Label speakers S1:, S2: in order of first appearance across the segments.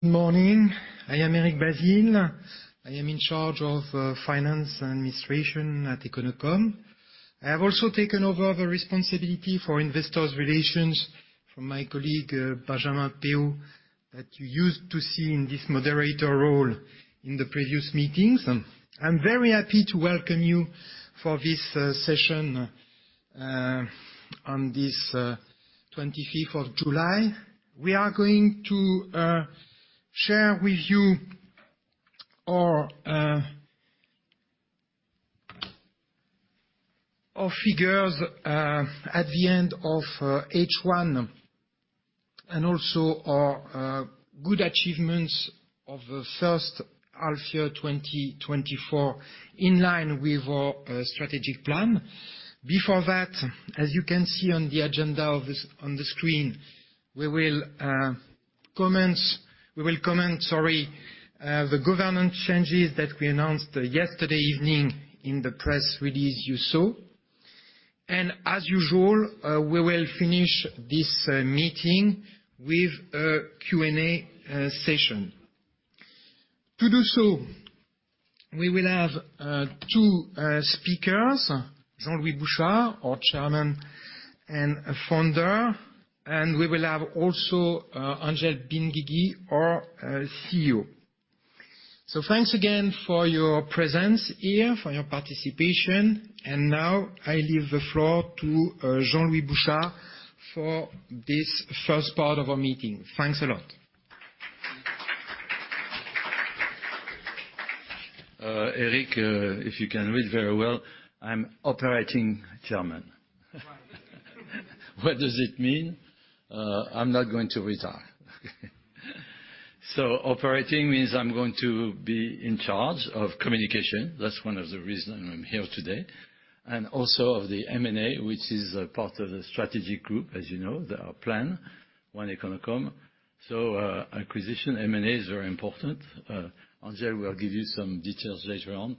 S1: Good morning. I am Eric Bazile. I am in charge of finance and administration at Econocom. I have also taken over the responsibility for investors' relations from my colleague, Benjamin Pehau, that you used to see in this moderator role in the previous meetings. I'm very happy to welcome you for this session on this 25th of July. We are going to share with you our figures at the end of H1, and also our good achievements of the first half year 2024 in line with our strategic plan. Before that, as you can see on the agenda on the screen, we will comment, sorry, the governance changes that we announced yesterday evening in the press release you saw. As usual, we will finish this meeting with a Q&A session. To do so, we will have two speakers, Jean-Louis Bouchard, our Chairman and Founder, and we will have also Angel Benguigui, our CEO. So thanks again for your presence here, for your participation. Now I leave the floor to Jean-Louis Bouchard for this first part of our meeting. Thanks a lot.
S2: Eric, if you can read very well, I'm Operating Chairman. What does it mean? I'm not going to retire. So operating means I'm going to be in charge of communication. That's one of the reasons I'm here today. And also of the M&A, which is part of the strategic group, as you know, our plan, One Econocom. So acquisition, M&A is very important. Angel will give you some details later on.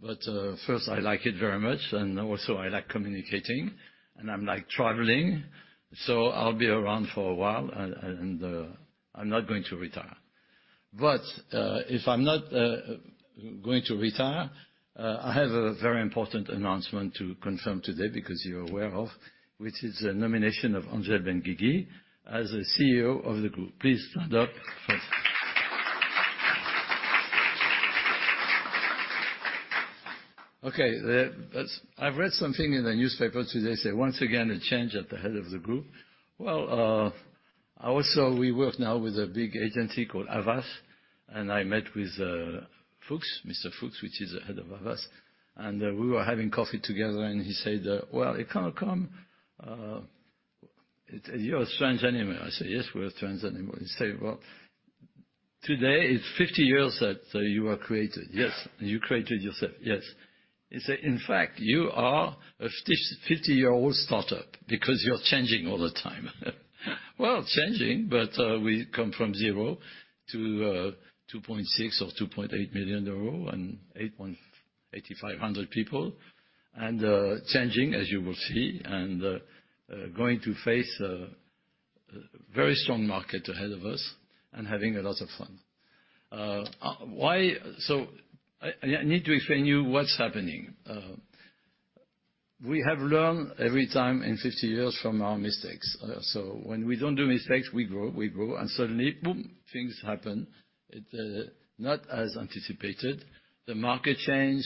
S2: But first, I like it very much, and also I like communicating, and I like traveling. So I'll be around for a while, and I'm not going to retire. But if I'm not going to retire, I have a very important announcement to confirm today, because you're aware of, which is the nomination of Angel Benguigui as the CEO of the group. Please stand up. Okay, I've read something in the newspaper today saying, "Once again, a change at the head of the group." Well, also we work now with a big agency called Havas, and I met with Fouks, Mr. Fouks, which is the head of Havas. And we were having coffee together, and he said, "Well, Econocom. You're a strange animal." I said, "Yes, we're a strange animal." He said, "Well, today it's 50 years that you were created." "Yes." "You created yourself." "Yes." He said, "In fact, you are a 50-year-old startup because you're changing all the time." Well, changing, but we come from zero to 2.6 million or 2.8 million euro and 8,500 people, and changing, as you will see, and going to face a very strong market ahead of us and having a lot of fun. So I need to explain to you what's happening. We have learned every time in 50 years from our mistakes. So when we don't do mistakes, we grow, we grow, and suddenly, boom, things happen. Not as anticipated. The market change.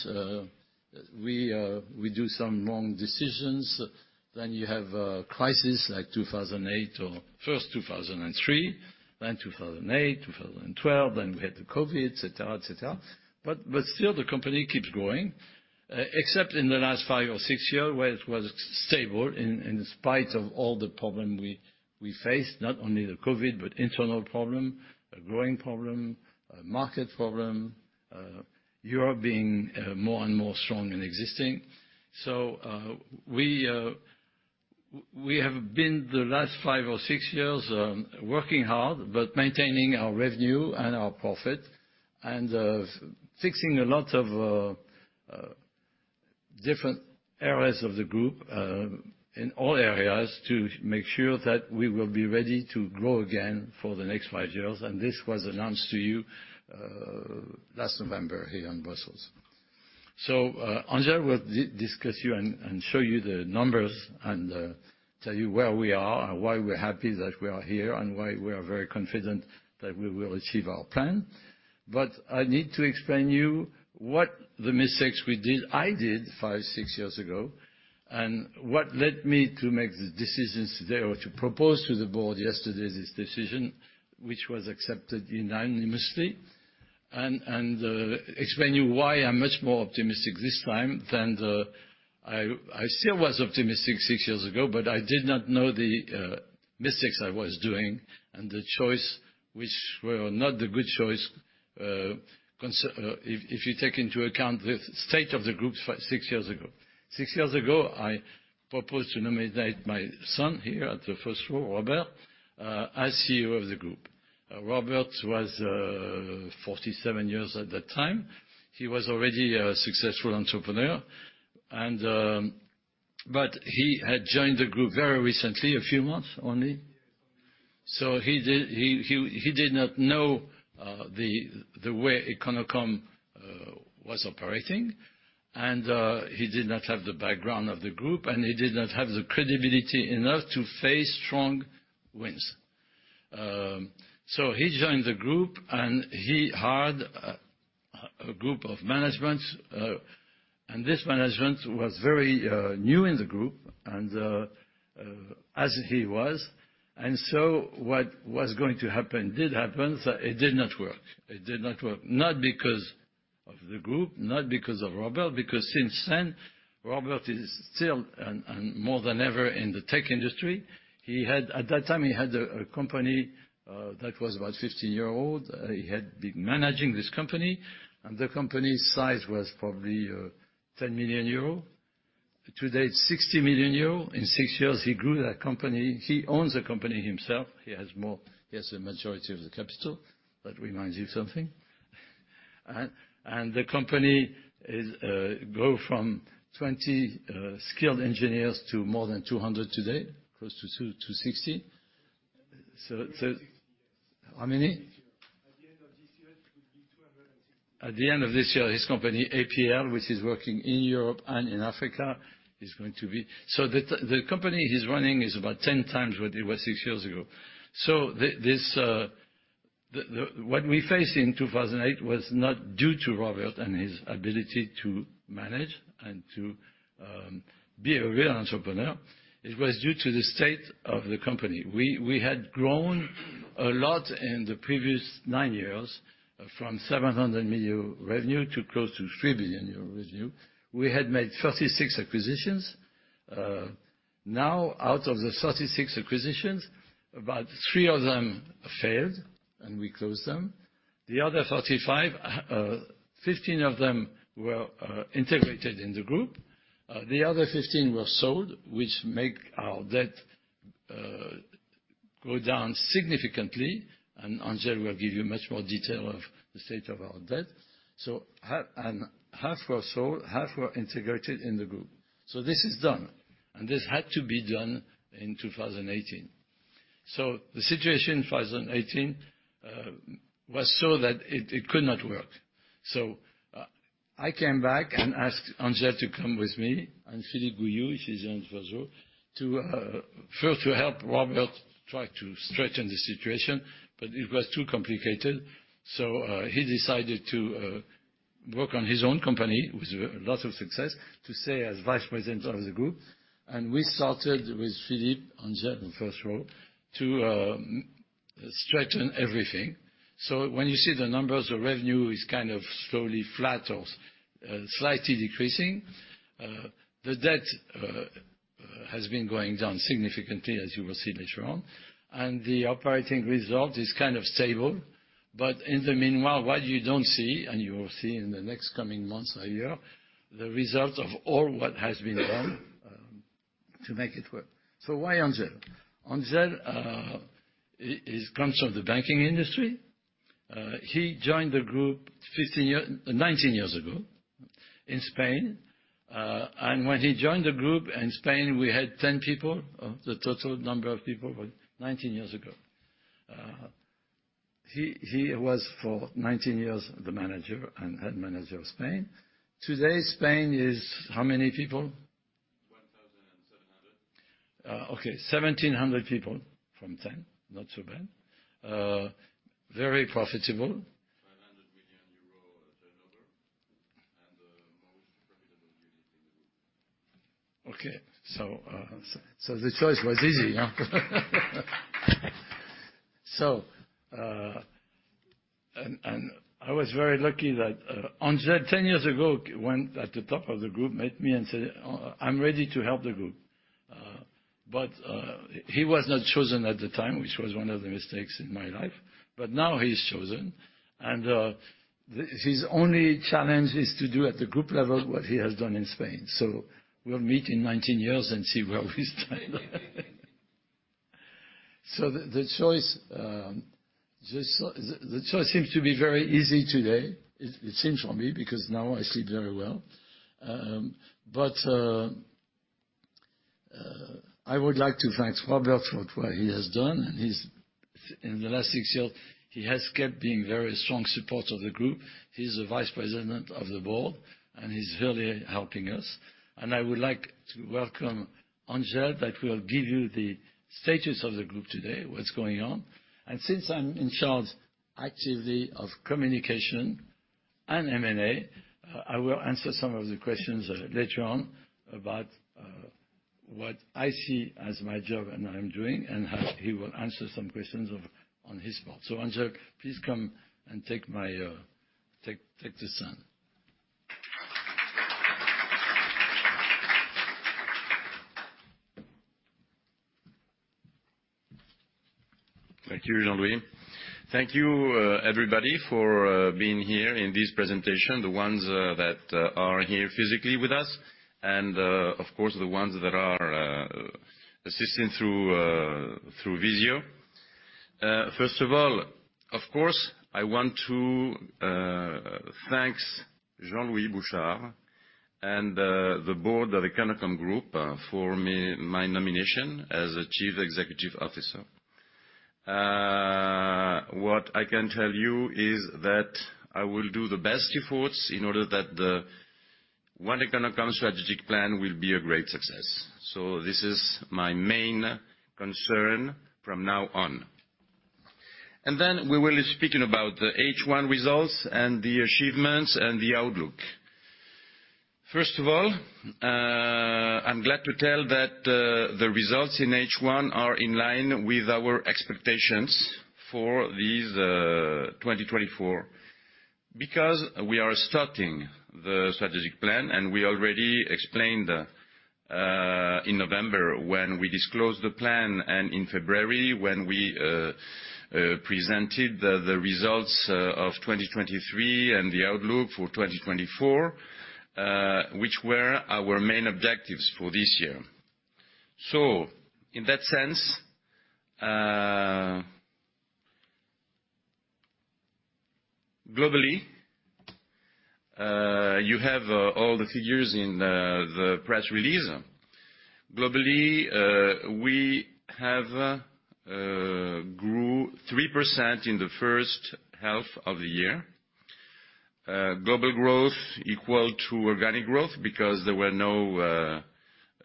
S2: We do some wrong decisions. Then you have a crisis like 2008 or first 2003, then 2008, 2012, then we had the COVID, et cetera, et cetera. But still, the company keeps growing, except in the last five or six years where it was stable in spite of all the problems we faced, not only the COVID, but internal problem, a growing problem, a market problem, Europe being more and more strong and existing. So we have been the last five or six years working hard, but maintaining our revenue and our profit and fixing a lot of different areas of the group in all areas to make sure that we will be ready to grow again for the next five years. This was announced to you last November here in Brussels. Angel will discuss you and show you the numbers and tell you where we are and why we're happy that we are here and why we are very confident that we will achieve our plan. But I need to explain to you what the mistakes we did, I did 5-6 years ago, and what led me to make the decisions today or to propose to the board yesterday this decision, which was accepted unanimously, and explain to you why I'm much more optimistic this time than I still was optimistic 6 years ago, but I did not know the mistakes I was doing and the choice, which were not the good choice if you take into account the state of the group 6 years ago. Six years ago, I proposed to nominate my son here at the first floor, Robert, as CEO of the group. Robert was 47 years at that time. He was already a successful entrepreneur. But he had joined the group very recently, a few months only. So he did not know the way Econocom was operating, and he did not have the background of the group, and he did not have the credibility enough to face strong winds. So he joined the group, and he hired a group of management, and this management was very new in the group, as he was. And so what was going to happen did happen. It did not work. It did not work. Not because of the group, not because of Robert, because since then, Robert is still more than ever in the tech industry. At that time, he had a company that was about 15 years old. He had been managing this company, and the company's size was probably 10 million euros. Today, it's 60 million euros. In 6 years, he grew that company. He owns the company himself. He has the majority of the capital. That reminds you of something. The company has grown from 20 skilled engineers to more than 200 today, close to 260. So how many?
S3: At the end of this year, it will be 260.
S1: At the end of this year, his company, APL, which is working in Europe and in Africa, is going to be so the company he's running is about 10 times what it was six years ago. So what we faced in 2008 was not due to Robert and his ability to manage and to be a real entrepreneur. It was due to the state of the company. We had grown a lot in the previous nine years from 700 million revenue to close to 3 billion euro revenue. We had made 36 acquisitions. Now, out of the 36 acquisitions, about three of them failed, and we closed them. The other 35, 15 of them were integrated in the group. The other 15 were sold, which made our debt go down significantly. And Angel will give you much more detail of the state of our debt. So half were sold, half were integrated in the group. So this is done, and this had to be done in 2018. So the situation in 2018 was so that it could not work. So I came back and asked Angel to come with me and Philippe Goullioud, which is in Brussels, first to help Robert try to straighten the situation, but it was too complicated. So he decided to work on his own company with a lot of success to stay as vice president of the group. And we started with Philippe, Angel in the first row, to straighten everything. So when you see the numbers, the revenue is kind of slowly flat or slightly decreasing. The debt has been going down significantly, as you will see later on. And the operating result is kind of stable. But in the meanwhile, what you don't see, and you will see in the next coming months or year, the result of all what has been done to make it work. So why Angel? Angel comes from the banking industry. He joined the group 19 years ago in Spain. And when he joined the group in Spain, we had 10 people of the total number of people 19 years ago. He was for 19 years the manager and head manager of Spain. Today, Spain is how many people?
S3: 1,700.
S1: Okay. 1,700 people from 10. Not so bad. Very profitable.
S3: EUR 500 million turnover, and the most profitable unit in the group.
S1: Okay. The choice was easy. I was very lucky that Angel, 10 years ago, went at the top of the group, met me, and said, "I'm ready to help the group." He was not chosen at the time, which was one of the mistakes in my life. Now he's chosen. His only challenge is to do at the group level what he has done in Spain. We'll meet in 19 years and see where we stand. The choice seems to be very easy today, it seems for me, because now I sleep very well. I would like to thank Robert for what he has done. In the last 6 years, he has kept being a very strong supporter of the group. He's the vice president of the board, and he's really helping us. I would like to welcome Angel that will give you the status of the group today, what's going on. Since I'm in charge actively of communication and M&A, I will answer some of the questions later on about what I see as my job and I'm doing, and he will answer some questions on his part. Angel, please come and take the stand.
S2: Thank you, Jean-Louis. Thank you, everybody, for being here in this presentation, the ones that are here physically with us, and of course, the ones that are assisting through video. First of all, of course, I want to thank Jean-Louis Bouchard and the board of Econocom Group for my nomination as Chief Executive Officer. What I can tell you is that I will do the best efforts in order that the One Econocom strategic plan will be a great success. So this is my main concern from now on. And then we will be speaking about the H1 results and the achievements and the outlook. First of all, I'm glad to tell that the results in H1 are in line with our expectations for this 2024, because we are starting the strategic plan, and we already explained in November when we disclosed the plan, and in February when we presented the results of 2023 and the outlook for 2024, which were our main objectives for this year. So in that sense, globally, you have all the figures in the press release. Globally, we have grew 3% in the first half of the year. Global growth equal to organic growth, because there were no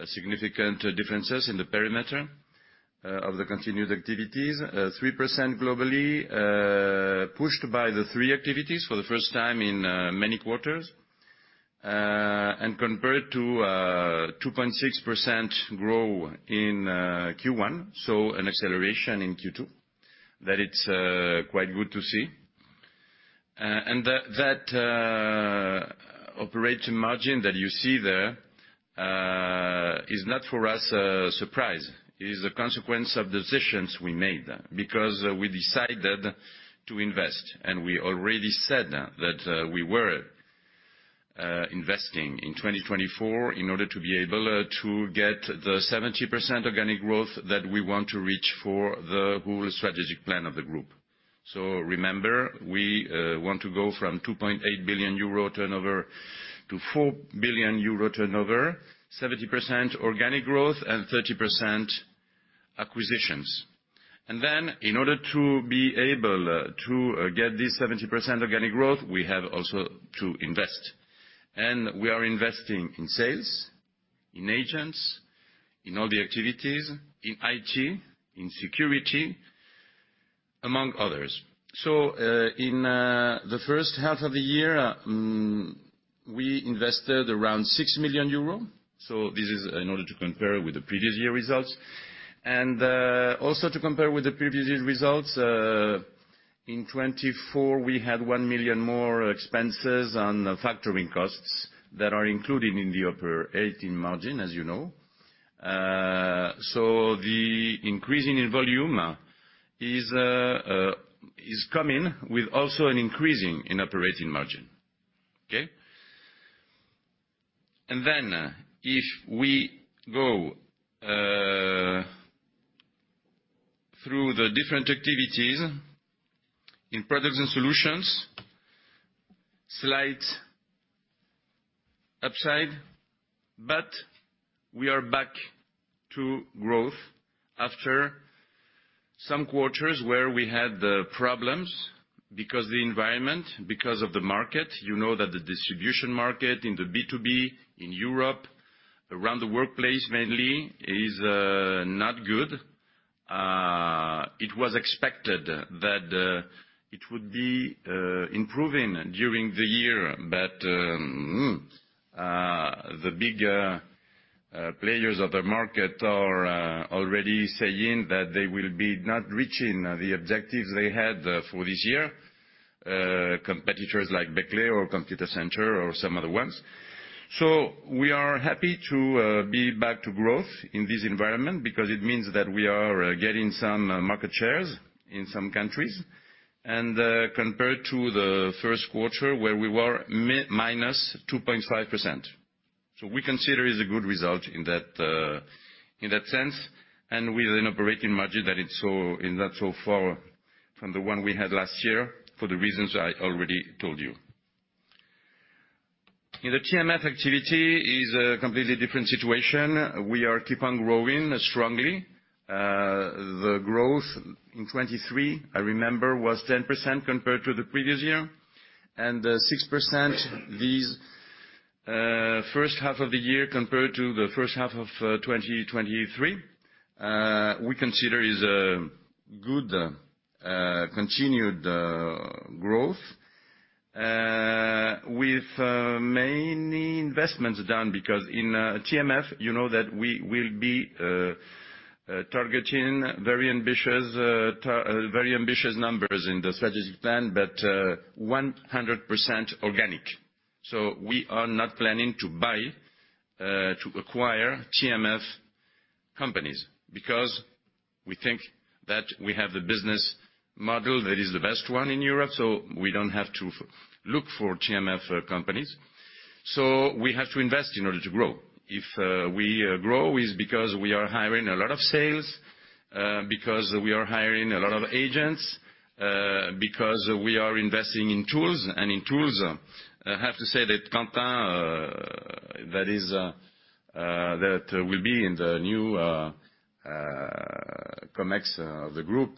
S2: significant differences in the perimeter of the continued activities. 3% globally, pushed by the three activities for the first time in many quarters, and compared to 2.6% grow in Q1, so an acceleration in Q2, that it's quite good to see. That operating margin that you see there is not for us a surprise. It is a consequence of the decisions we made, because we decided to invest, and we already said that we were investing in 2024 in order to be able to get the 70% organic growth that we want to reach for the whole strategic plan of the group. So remember, we want to go from 2.8 billion euro turnover to 4 billion euro turnover, 70% organic growth, and 30% acquisitions. And then, in order to be able to get this 70% organic growth, we have also to invest. And we are investing in sales, in agents, in all the activities, in IT, in security, among others. So in the first half of the year, we invested around 6 million euros. So this is in order to compare with the previous year results. Also to compare with the previous year results, in 2024, we had 1 million more expenses and factoring costs that are included in the operating margin, as you know. So the increasing in volume is coming with also an increasing in operating margin. Okay? And then, if we go through the different activities in products and solutions, slight upside, but we are back to growth after some quarters where we had problems because of the environment, because of the market. You know that the distribution market in the B2B in Europe around the workplace mainly is not good. It was expected that it would be improving during the year, but the big players of the market are already saying that they will be not reaching the objectives they had for this year, competitors like Bechtle or Computacenter or some other ones. So we are happy to be back to growth in this environment, because it means that we are getting some market shares in some countries, and compared to the first quarter where we were -2.5%. So we consider it's a good result in that sense, and with an operating margin that is not so far from the one we had last year for the reasons I already told you. In the TMF activity, it is a completely different situation. We are keeping on growing strongly. The growth in 2023, I remember, was 10% compared to the previous year, and 6% this first half of the year compared to the first half of 2023. We consider is a good continued growth, with many investments done, because in TMF, you know that we will be targeting very ambitious numbers in the strategic plan, but 100% organic. So we are not planning to buy, to acquire TMF companies, because we think that we have the business model that is the best one in Europe, so we don't have to look for TMF companies. So we have to invest in order to grow. If we grow, it's because we are hiring a lot of sales, because we are hiring a lot of agents, because we are investing in tools. And in tools, I have to say that Quentin that will be in the new Comex of the group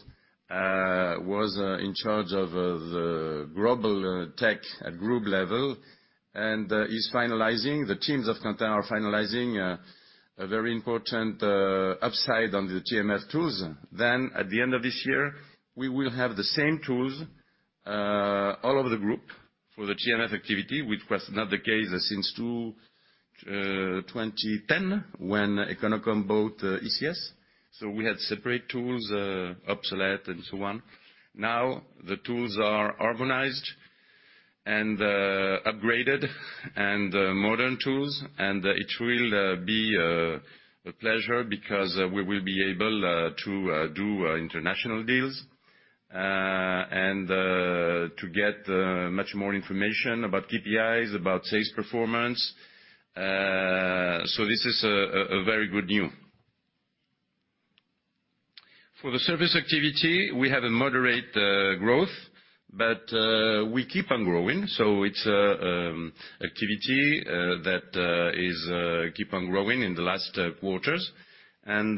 S2: was in charge of the global tech at group level, and he's finalizing. The teams of Quentin are finalizing a very important upside on the TMF tools. Then, at the end of this year, we will have the same tools all over the group for the TMF activity, which was not the case since 2010 when Econocom bought ECS. So we had separate tools, obsolete, and so on. Now, the tools are organized and upgraded and modern tools, and it will be a pleasure, because we will be able to do international deals and to get much more information about KPIs, about sales performance. So this is very good news. For the service activity, we have a moderate growth, but we keep on growing. So it's an activity that is keeping on growing in the last quarters. And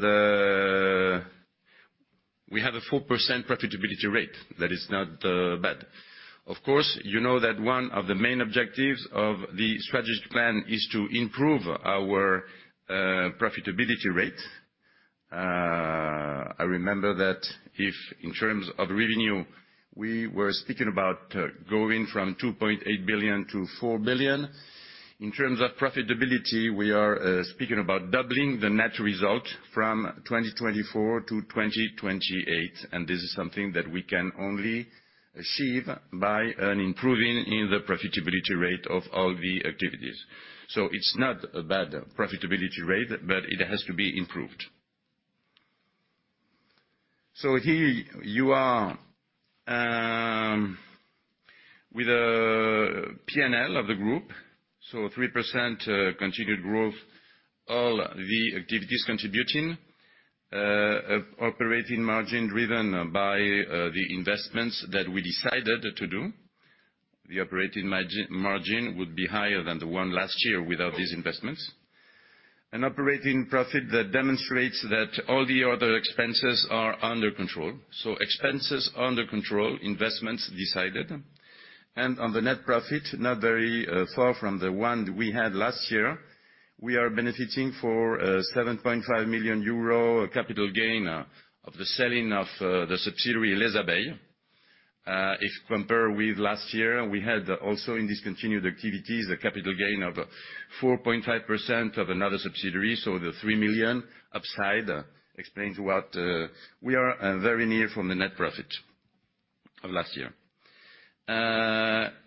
S2: we have a 4% profitability rate that is not bad. Of course, you know that one of the main objectives of the strategic plan is to improve our profitability rate. I remember that if in terms of revenue, we were speaking about going from 2.8 billion to 4 billion. In terms of profitability, we are speaking about doubling the net result from 2024 to 2028. This is something that we can only achieve by improving the profitability rate of all the activities. It's not a bad profitability rate, but it has to be improved. Here you are with the P&L of the group, 3% continued growth, all the activities contributing, operating margin driven by the investments that we decided to do. The operating margin would be higher than the one last year without these investments. An operating profit that demonstrates that all the other expenses are under control. Expenses under control, investments decided. On the net profit, not very far from the one we had last year, we are benefiting for 7.5 million euro capital gain of the selling of the subsidiary Les Abeilles. If compared with last year, we had also in these continued activities, a capital gain of 4.5% of another subsidiary, so the 3 million upside explains what we are very near from the net profit of last year.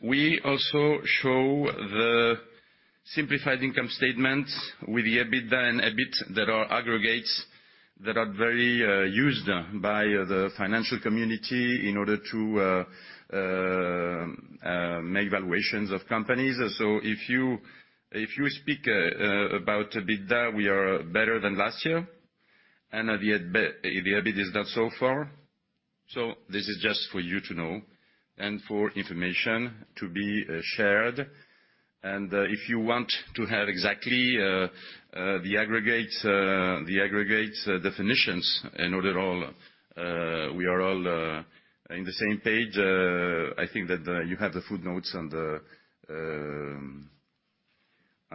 S2: We also show the simplified income statements with the EBITDA and EBIT that are aggregates that are very used by the financial community in order to make valuations of companies. If you speak about EBITDA, we are better than last year, and the EBIT is not so far. This is just for you to know and for information to be shared. If you want to have exactly the aggregate definitions in order we are all on the same page, I think that you have the footnotes on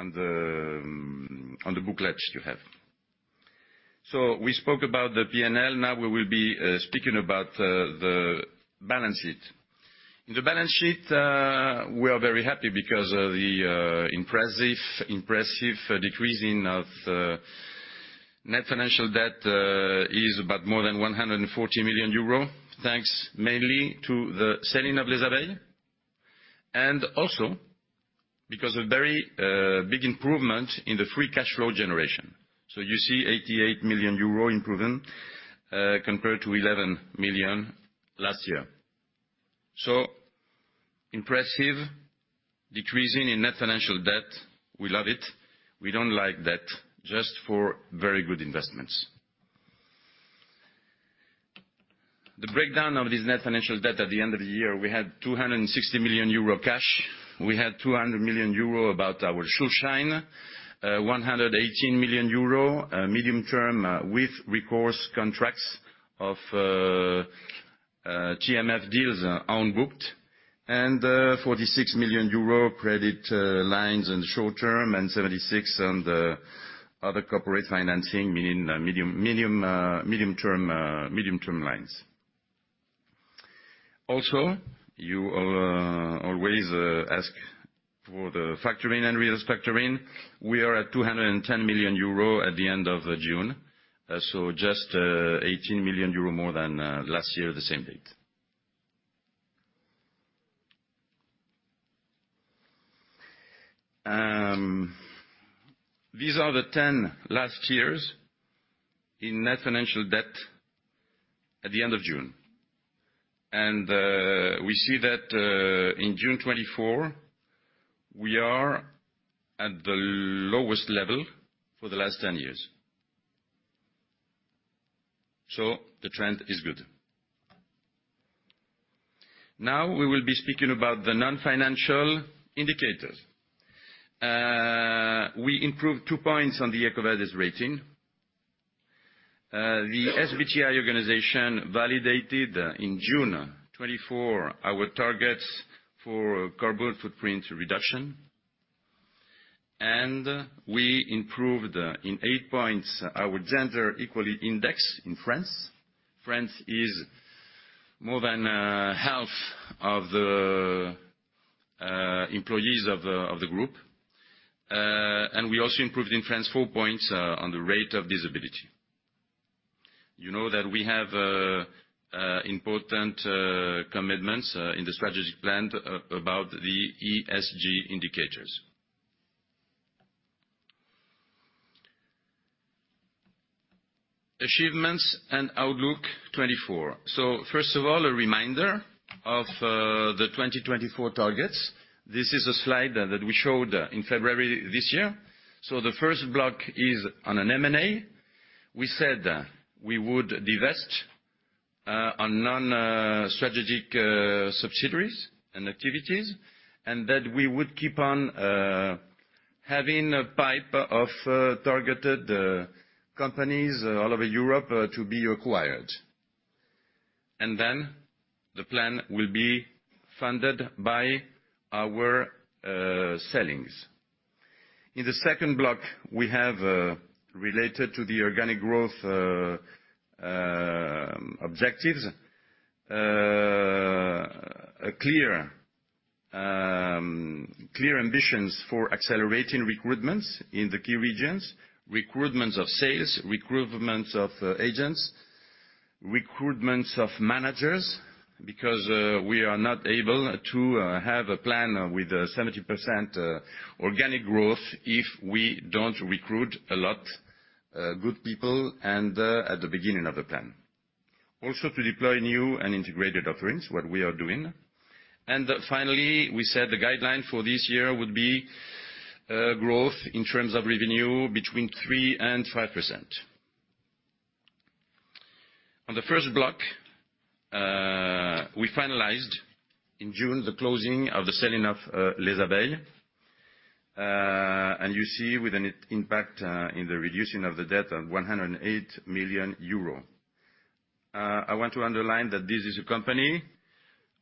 S2: the booklets you have. We spoke about the P&L. Now, we will be speaking about the balance sheet. In the balance sheet, we are very happy, because the impressive decrease in net financial debt is about more than 140 million euros, thanks mainly to the selling of Les Abeilles, and also because of very big improvement in the free cash flow generation. So you see 88 million euro improvement compared to 11 million last year. So impressive decreasing in net financial debt. We love it. We don't like debt just for very good investments. The breakdown of this net financial debt at the end of the year, we had 260 million euro cash. We had 200 million euro about our short-term, 118 million euro medium term with recourse contracts of TMF deals on booked, and 46 million euro credit lines and short term, and 76 million on the other corporate financing, meaning medium term lines. Also, you always ask for the factoring and reverse factoring. We are at 210 million euro at the end of June, so just 18 million euro more than last year the same date. These are the last 10 years in net financial debt at the end of June. We see that in June 2024, we are at the lowest level for the last 10 years. The trend is good. Now, we will be speaking about the non-financial indicators. We improved 2 points on the EcoVadis rating. The SBTi organization validated in June 2024 our targets for carbon footprint reduction, and we improved 8 points our gender equality index in France. France is more than half of the employees of the group. We also improved in France 4 points on the rate of disability. You know that we have important commitments in the strategic plan about the ESG indicators. Achievements and outlook 2024. So first of all, a reminder of the 2024 targets. This is a slide that we showed in February this year. So the first block is on an M&A. We said we would divest on non-strategic subsidiaries and activities, and that we would keep on having a pipe of targeted companies all over Europe to be acquired. And then, the plan will be funded by our sales. In the second block, we have related to the organic growth objectives, clear ambitions for accelerating recruitments in the key regions, recruitments of sales, recruitments of agents, recruitments of managers, because we are not able to have a plan with 70% organic growth if we don't recruit a lot of good people at the beginning of the plan. Also, to deploy new and integrated offerings, what we are doing. Finally, we said the guideline for this year would be growth in terms of revenue between 3%-5%. On the first block, we finalized in June the closing of the selling of Les Abeilles, and you see with an impact in the reducing of the debt of 108 million euro. I want to underline that this is a company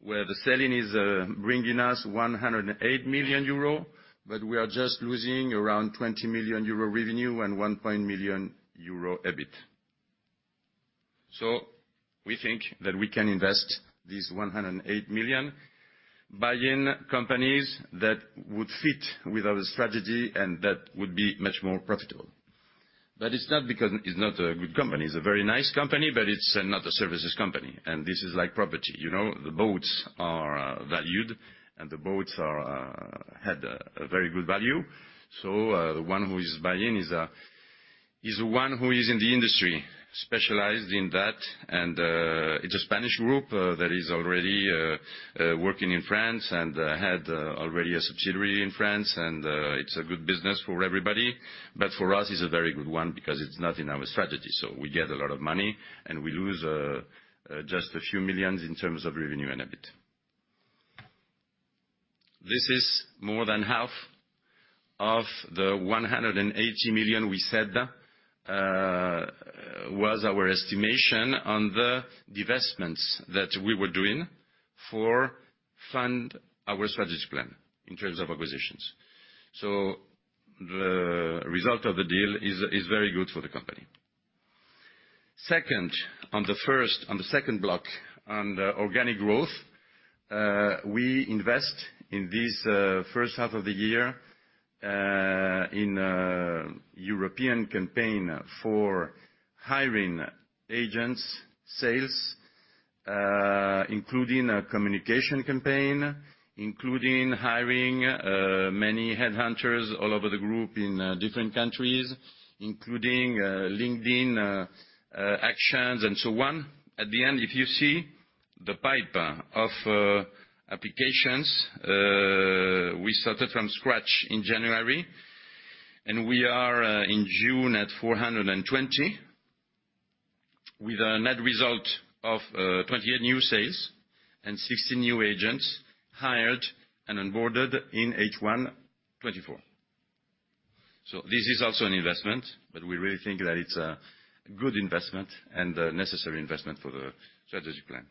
S2: where the selling is bringing us 108 million euro, but we are just losing around 20 million euro revenue and 1.1 million euro EBIT. So we think that we can invest this 108 million buying companies that would fit with our strategy and that would be much more profitable. But it's not because it's not a good company. It's a very nice company, but it's not a services company. And this is like property. The boats are valued, and the boats had a very good value. So the one who is buying is one who is in the industry, specialized in that. And it's a Spanish group that is already working in France and had already a subsidiary in France, and it's a good business for everybody. But for us, it's a very good one, because it's not in our strategy. So we get a lot of money, and we lose just a few million EUR in terms of revenue and EBIT. This is more than half of the 180 million we said was our estimation on the divestments that we were doing to fund our strategic plan in terms of acquisitions. So the result of the deal is very good for the company. Second, on the second block, on the organic growth, we invest in this first half of the year in a European campaign for hiring agents, sales, including a communication campaign, including hiring many headhunters all over the group in different countries, including LinkedIn actions and so on. At the end, if you see the pipe of applications, we started from scratch in January, and we are in June at 420 with a net result of 28 new sales and 16 new agents hired and onboarded in H1 2024. So this is also an investment, but we really think that it's a good investment and a necessary investment for the strategic plan.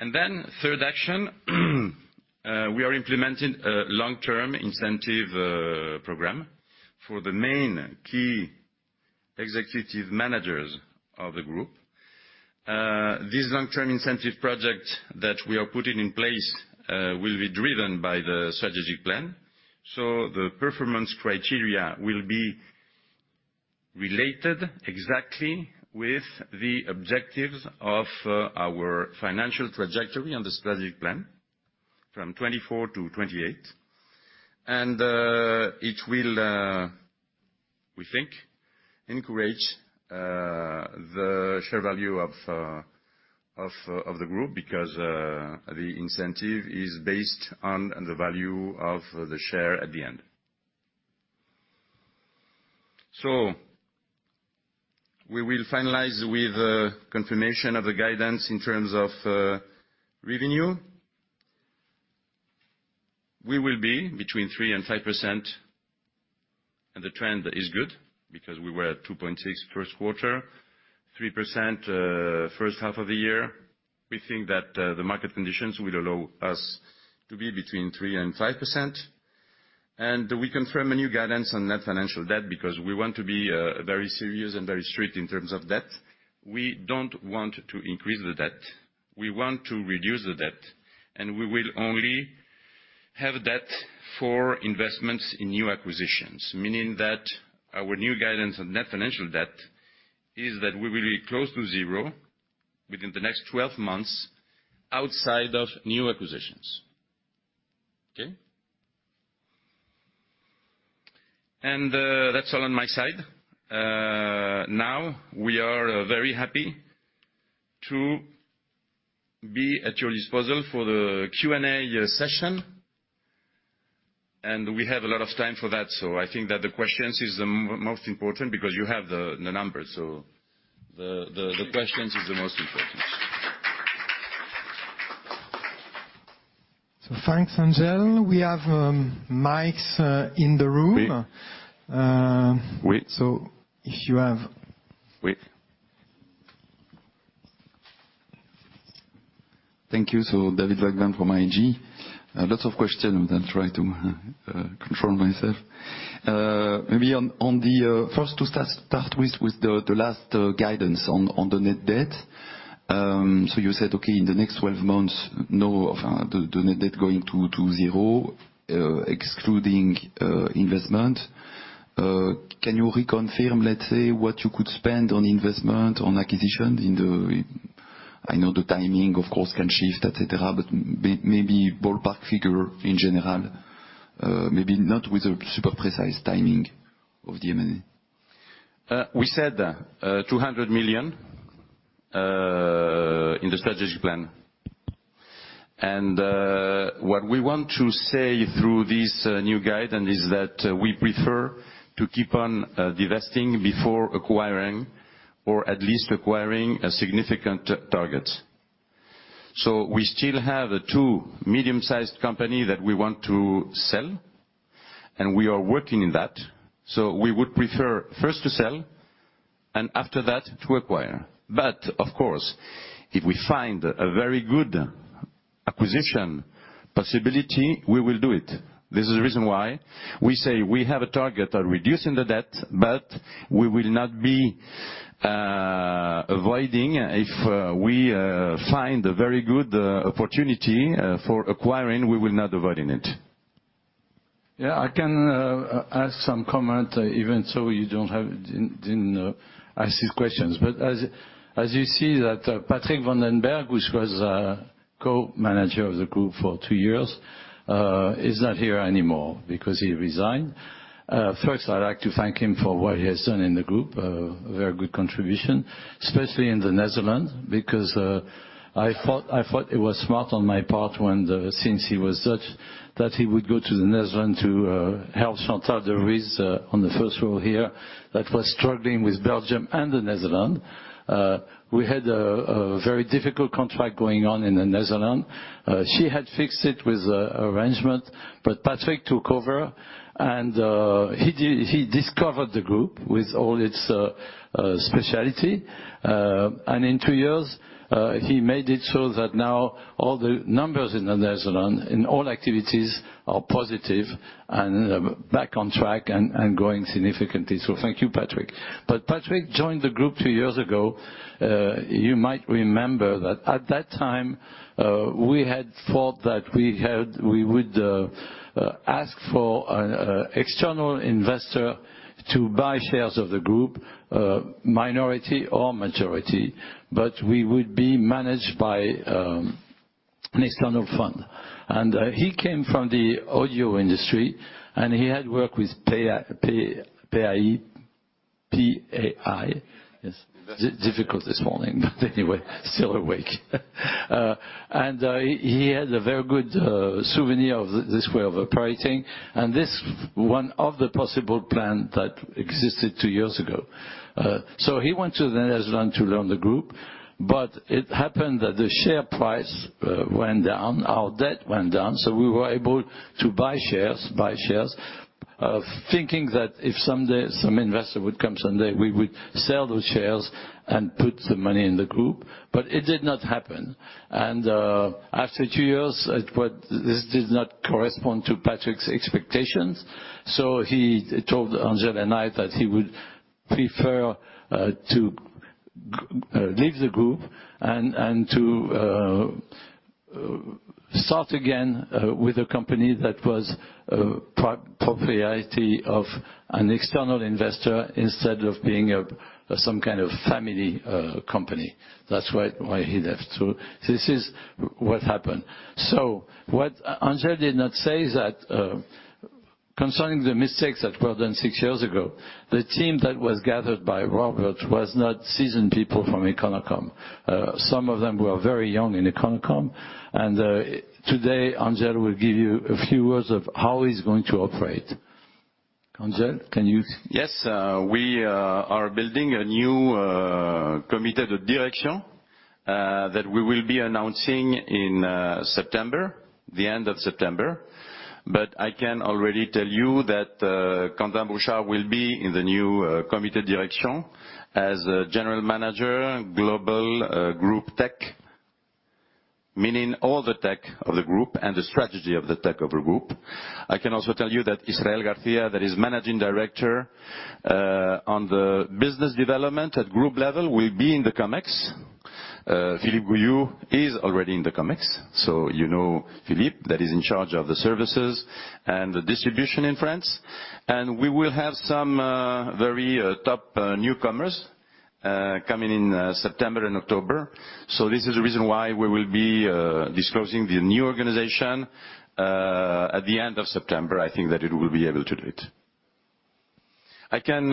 S2: And then, third action, we are implementing a long-term incentive program for the main key executive managers of the group. This long-term incentive project that we are putting in place will be driven by the strategic plan. The performance criteria will be related exactly with the objectives of our financial trajectory on the strategic plan from 2024 to 2028. It will, we think, encourage the share value of the group, because the incentive is based on the value of the share at the end. We will finalize with confirmation of the guidance in terms of revenue. We will be between 3%-5%, and the trend is good, because we were at 2.6% first quarter, 3% first half of the year. We think that the market conditions will allow us to be between 3%-5%. We confirm a new guidance on net financial debt, because we want to be very serious and very strict in terms of debt. We don't want to increase the debt. We want to reduce the debt, and we will only have debt for investments in new acquisitions, meaning that our new guidance on net financial debt is that we will be close to 0 within the next 12 months outside of new acquisitions. Okay? And that's all on my side. Now, we are very happy to be at your disposal for the Q&A session, and we have a lot of time for that. So I think that the questions is the most important, because you have the numbers. So the questions is the most important.
S1: Thanks, Angel. We have mics in the room.
S2: Oui.
S1: If you have.
S4: Oui. Thank you. So David Vagman from ING. Lots of questions. I'm going to try to control myself. Maybe on the first, to start with the last guidance on the net debt. So you said, "Okay, in the next 12 months, the net debt going to zero, excluding investment." Can you reconfirm, let's say, what you could spend on investment, on acquisition? I know the timing, of course, can shift, etc., but maybe ballpark figure in general, maybe not with a super precise timing of the M&A.
S3: We said 200 million in the strategic plan. What we want to say through this new guidance is that we prefer to keep on divesting before acquiring, or at least acquiring a significant target. We still have two medium-sized companies that we want to sell, and we are working in that. We would prefer first to sell and after that to acquire. Of course, if we find a very good acquisition possibility, we will do it. This is the reason why we say we have a target on reducing the debt, but we will not be avoiding if we find a very good opportunity for acquiring, we will not avoid it.
S2: Yeah, I can ask some comment, even though you didn't ask these questions. But as you see that Patrick Van Den Berg, which was co-manager of the group for two years, is not here anymore because he resigned. First, I'd like to thank him for what he has done in the group, a very good contribution, especially in the Netherlands, because I thought it was smart on my part when since he was Dutch that he would go to the Netherlands to help Chantal De Vrieze on the first row here that was struggling with Belgium and the Netherlands. We had a very difficult contract going on in the Netherlands. She had fixed it with arrangement, but Patrick took over, and he discovered the group with all its specialty. In two years, he made it so that now all the numbers in the Netherlands in all activities are positive and back on track and going significantly. So thank you, Patrick. But Patrick joined the group two years ago. You might remember that at that time, we had thought that we would ask for an external investor to buy shares of the group, minority or majority, but we would be managed by an external fund. And he came from the audio industry, and he had worked with PAI, yes, difficult this morning, but anyway, still awake. And he has a very good souvenir of this way of operating, and this is one of the possible plans that existed two years ago. So he went to the Netherlands to learn the group, but it happened that the share price went down, our debt went down, so we were able to buy shares, buy shares, thinking that if some investor would come someday, we would sell those shares and put the money in the group. But it did not happen. And after two years, this did not correspond to Patrick's expectations. So he told Angel and I that he would prefer to leave the group and to start again with a company that was a property of an external investor instead of being some kind of family company. That's why he left. So this is what happened. So what Angel did not say is that concerning the mistakes that were done six years ago, the team that was gathered by Robert was not seasoned people from Econocom. Some of them were very young in Econocom. Today, Angel will give you a few words of how he's going to operate. Angel, can you?
S3: Yes. We are building a new committee of direction that we will be announcing in September, the end of September. But I can already tell you that Quentin Bouchard will be in the new committee of direction as general manager, global group tech, meaning all the tech of the group and the strategy of the tech of the group. I can also tell you that Israel Garcia, that is managing director on the business development at group level, will be in the COMEX. Philippe Goullioud is already in the COMEX. So you know Philippe that is in charge of the services and the distribution in France. And we will have some very top newcomers coming in September and October. So this is the reason why we will be disclosing the new organization at the end of September. I think that it will be able to do it. I can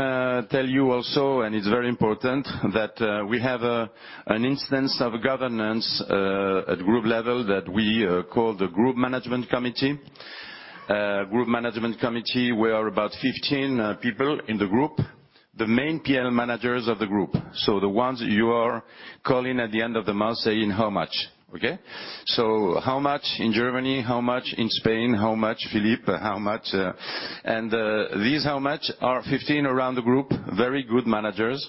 S3: tell you also, and it's very important, that we have an instance of governance at group level that we call the group management committee. Group management committee, we are about 15 people in the group, the main PM managers of the group. So the ones you are calling at the end of the month saying how much. Okay? So how much in Germany, how much in Spain, how much, Philippe, how much. And these how much are 15 around the group, very good managers.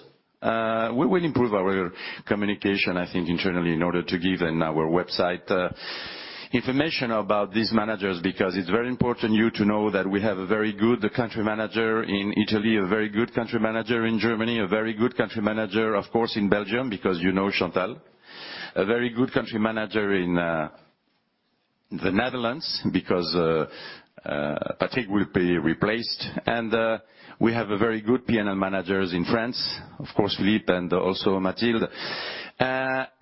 S3: We will improve our communication, I think, internally in order to give in our website information about these managers, because it's very important you to know that we have a very good country manager in Italy, a very good country manager in Germany, a very good country manager, of course, in Belgium, because you know Chantal, a very good country manager in the Netherlands, because Patrick will be replaced. We have very good PNL managers in France, of course, Philippe and also Mathilde.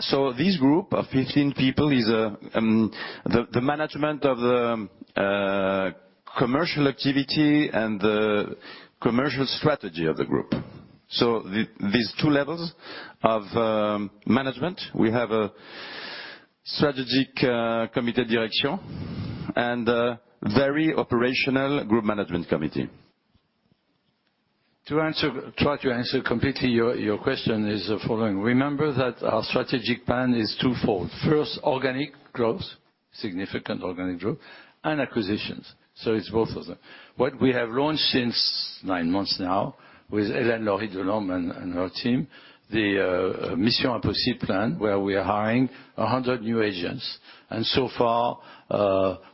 S3: So this group of 15 people is the management of the commercial activity and the commercial strategy of the group. So these two levels of management, we have a strategic committee of direction and a very operational group management committee.
S2: To try to answer completely your question is the following. Remember that our strategic plan is twofold. First, organic growth, significant organic growth, and acquisitions. So it's both of them. What we have launched since 9 months now with Hélène Lorie-Delambre and her team, the Mission Impossible plan, where we are hiring 100 new agents. And so far,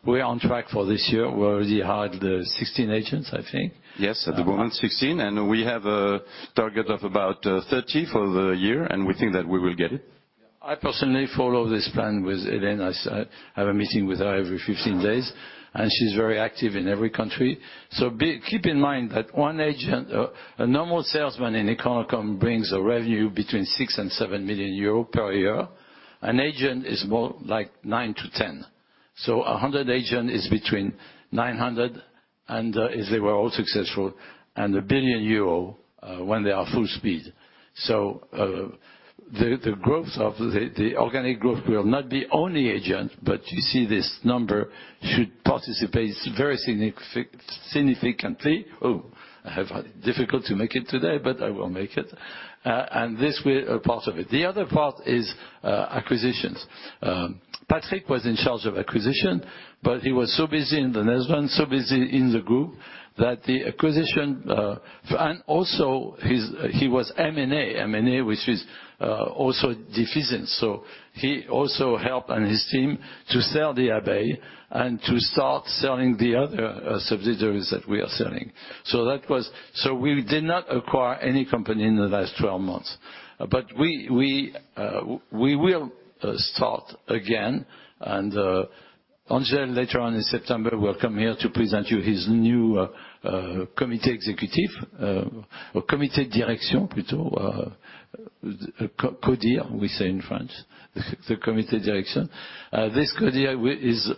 S2: we're on track for this year. We already hired 16 agents, I think.
S3: Yes, at the moment, 16. And we have a target of about 30 for the year, and we think that we will get it.
S2: I personally follow this plan with Hélène. I have a meeting with her every 15 days, and she's very active in every country. So keep in mind that one agent, a normal salesman in Econocom, brings revenue between 6 million and 7 million euro per year. An agent is more like 9 to 10. So 100 agents is between 900 and, if they were all successful, and 1 billion euro when they are full speed. So the growth of the organic growth will not be only agents, but you see this number should participate very significantly. Oh, I have difficult to make it today, but I will make it. This will be a part of it. The other part is acquisitions. Patrick was in charge of acquisition, but he was so busy in the Netherlands, so busy in the group, that the acquisition and also he was M&A, M&A, which is also deficient. So he also helped on his team to sell the Abeilles and to start selling the other subsidiaries that we are selling. So we did not acquire any company in the last 12 months. But we will start again. And Angel, later on in September, will come here to present you his new committee executive, or comité de direction, plutôt, CODIR, we say in French, the comité de direction. This CODIR is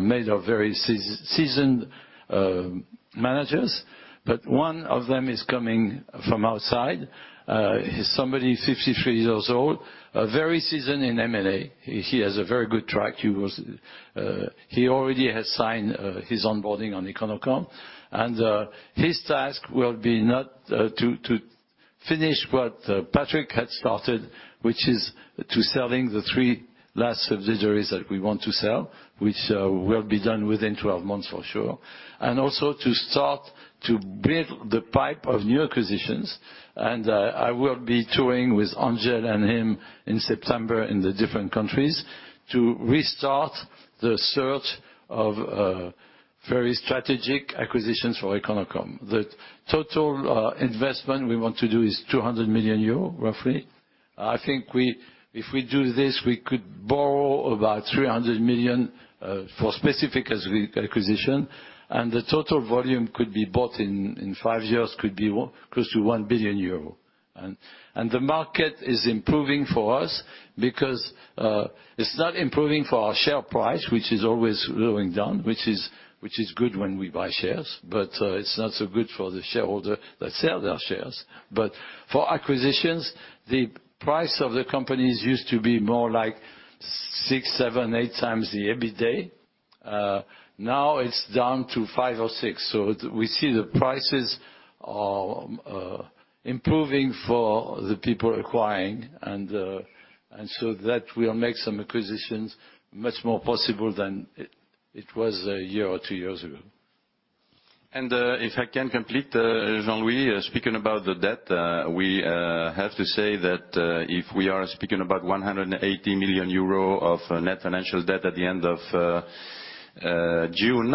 S2: made of very seasoned managers, but one of them is coming from outside. He's somebody 53 years old, very seasoned in M&A. He has a very good track. He already has signed his onboarding on Econocom. And his task will be not to finish what Patrick had started, which is to selling the three last subsidiaries that we want to sell, which will be done within 12 months for sure, and also to start to build the pipe of new acquisitions. And I will be touring with Angel and him in September in the different countries to restart the search of very strategic acquisitions for Econocom. The total investment we want to do is 200 million euro, roughly. I think if we do this, we could borrow about 300 million for specific acquisition. And the total volume could be bought in 5 years could be close to 1 billion euro. The market is improving for us because it's not improving for our share price, which is always going down, which is good when we buy shares, but it's not so good for the shareholder that sells our shares. But for acquisitions, the price of the companies used to be more like 6, 7, 8 times the EBITDA. Now it's down to 5 or 6. So we see the prices are improving for the people acquiring. And so that will make some acquisitions much more possible than it was a year or two years ago.
S3: And if I can complete, Jean-Louis, speaking about the debt, we have to say that if we are speaking about 180 million euro of net financial debt at the end of June,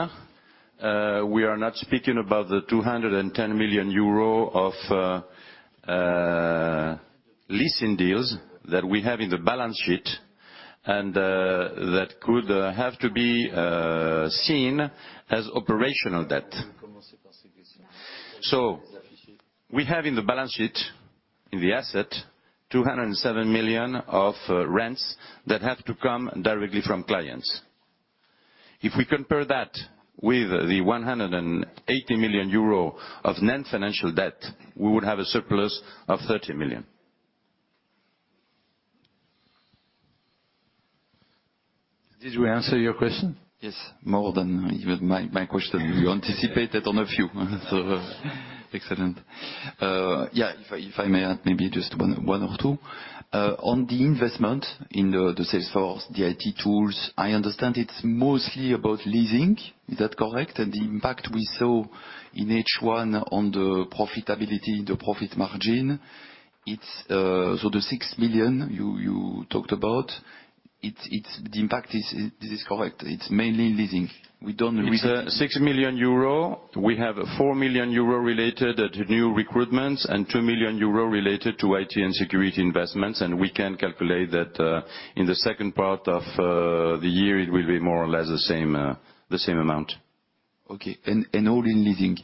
S3: we are not speaking about the 210 million euro of leasing deals that we have in the balance sheet and that could have to be seen as operational debt. So we have in the balance sheet, in the asset, 207 million of rents that have to come directly from clients. If we compare that with the 180 million euro of net financial debt, we would have a surplus of 30 million.
S2: Did we answer your question?
S4: Yes. More than my question. You anticipated on a few. So excellent. Yeah, if I may add maybe just one or two. On the investment in the Salesforce, the IT tools, I understand it's mostly about leasing. Is that correct? And the impact we saw in H1 on the profitability, the profit margin, it's so the 6 million you talked about, the impact is correct. It's mainly leasing. We don't really.
S3: It's 6 million euro. We have 4 million euro related to new recruitments and 2 million euro related to IT and security investments. We can calculate that in the second part of the year, it will be more or less the same amount.
S4: Okay. And all in leasing?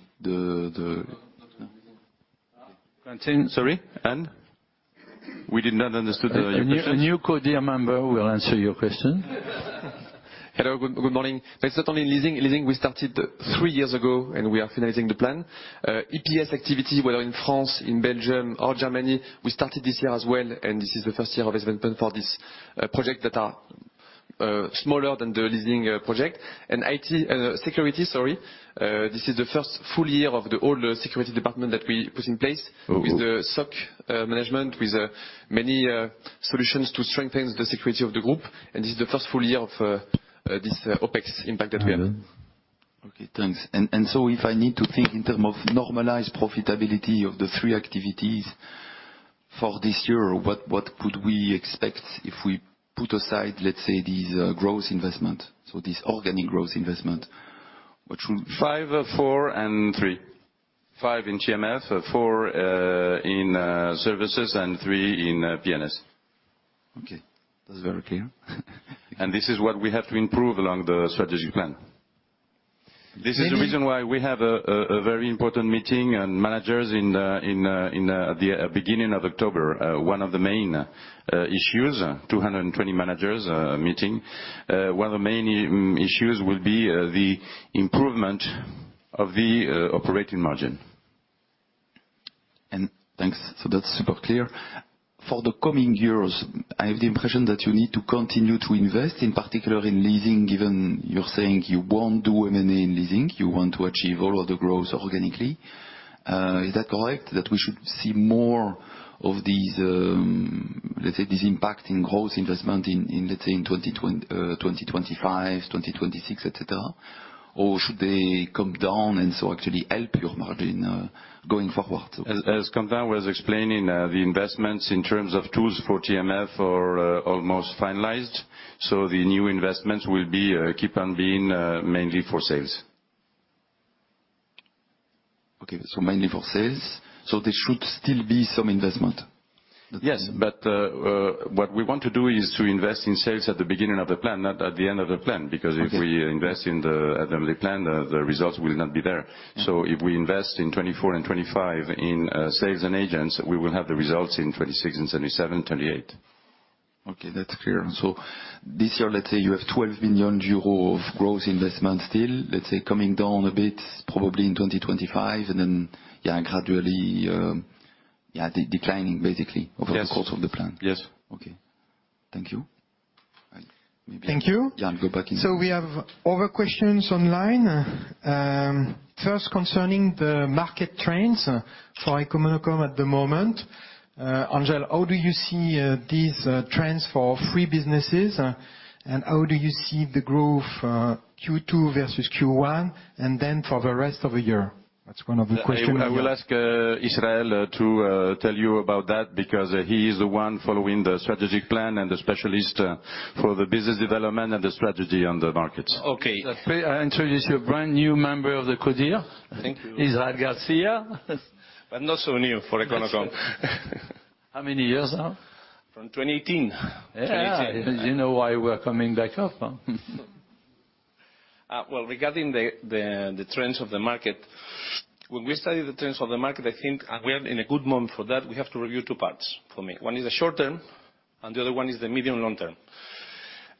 S3: Sorry? And? We did not understand your question.
S2: A new CODIR member will answer your question.
S5: Hello, good morning. It's not only in leasing. Leasing, we started three years ago, and we are finalizing the plan. EPS activity, whether in France, in Belgium, or Germany, we started this year as well. And this is the first year of investment for this project that is smaller than the leasing project. And IT and security, sorry, this is the first full year of the whole security department that we put in place with the SOC management, with many solutions to strengthen the security of the group. And this is the first full year of this OpEx impact that we have.
S4: Okay, thanks. And so if I need to think in terms of normalized profitability of the three activities for this year, what could we expect if we put aside, let's say, these growth investments, so these organic growth investments?
S3: 5, 4, and 3. 5 in TMF, 4 in Services, and 3 in P&S.
S4: Okay. That's very clear.
S3: This is what we have to improve along the strategy plan. This is the reason why we have a very important meeting on managers in the beginning of October. One of the main issues, 220 managers meeting, one of the main issues will be the improvement of the operating margin.
S4: Thanks. That's super clear. For the coming years, I have the impression that you need to continue to invest, in particular in leasing, given you're saying you won't do M&A in leasing. You want to achieve all of the growth organically. Is that correct, that we should see more of these, let's say, these impacting growth investments in, let's say, 2025, 2026, etc.? Or should they come down and so actually help your margin going forward?
S3: As Quentin was explaining, the investments in terms of tools for TMF are almost finalized. So the new investments will keep on being mainly for sales.
S4: Okay. So mainly for sales. So there should still be some investment.
S3: Yes. But what we want to do is to invest in sales at the beginning of the plan, not at the end of the plan, because if we invest in the plan, the results will not be there. So if we invest in 2024 and 2025 in sales and agents, we will have the results in 2026 and 2027, 2028.
S4: Okay. That's clear. So this year, let's say you have 12 million euro of growth investment still, let's say coming down a bit probably in 2025, and then gradually declining, basically, over the course of the plan.
S3: Yes.
S4: Okay. Thank you.
S3: Thank you.
S2: Yeah, I'll go back in.
S1: We have other questions online. First, concerning the market trends for Econocom at the moment. Angel, how do you see these trends for B2B businesses, and how do you see the growth Q2 versus Q1, and then for the rest of the year? That's one of the questions.
S3: I will ask Israel to tell you about that, because he is the one following the strategic plan and the specialist for the business development and the strategy on the markets.
S2: Okay. I introduce your brand new member of the CODIR.
S3: Thank you.
S2: Israel Garcia.
S3: But not so new for Econocom.
S2: How many years now?
S3: From 2018.
S2: Yeah, you know why we're coming back up.
S3: Well, regarding the trends of the market, when we study the trends of the market, I think we're in a good moment for that. We have to review two parts for me. One is the short term, and the other one is the medium-long term.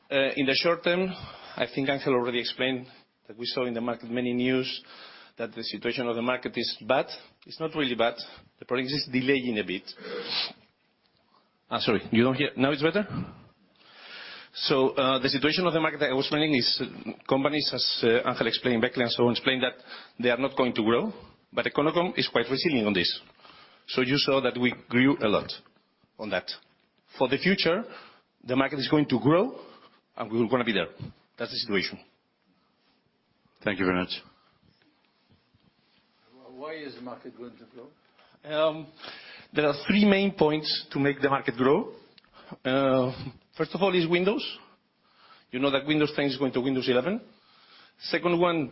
S3: In the short term, I think Angel already explained that we saw in the market many news that the situation of the market is bad. It's not really bad. The product is delaying a bit.
S2: Sorry, you don't hear? Now it's better?
S3: The situation of the market that I was explaining is companies, as Angel explained back then, so explained that they are not going to grow, but Econocom is quite resilient on this. So you saw that we grew a lot on that. For the future, the market is going to grow, and we're going to be there. That's the situation.
S2: Thank you very much.
S6: Why is the market going to grow?
S3: There are three main points to make the market grow. First of all is Windows. You know that Windows 10 is going to Windows 11. Second one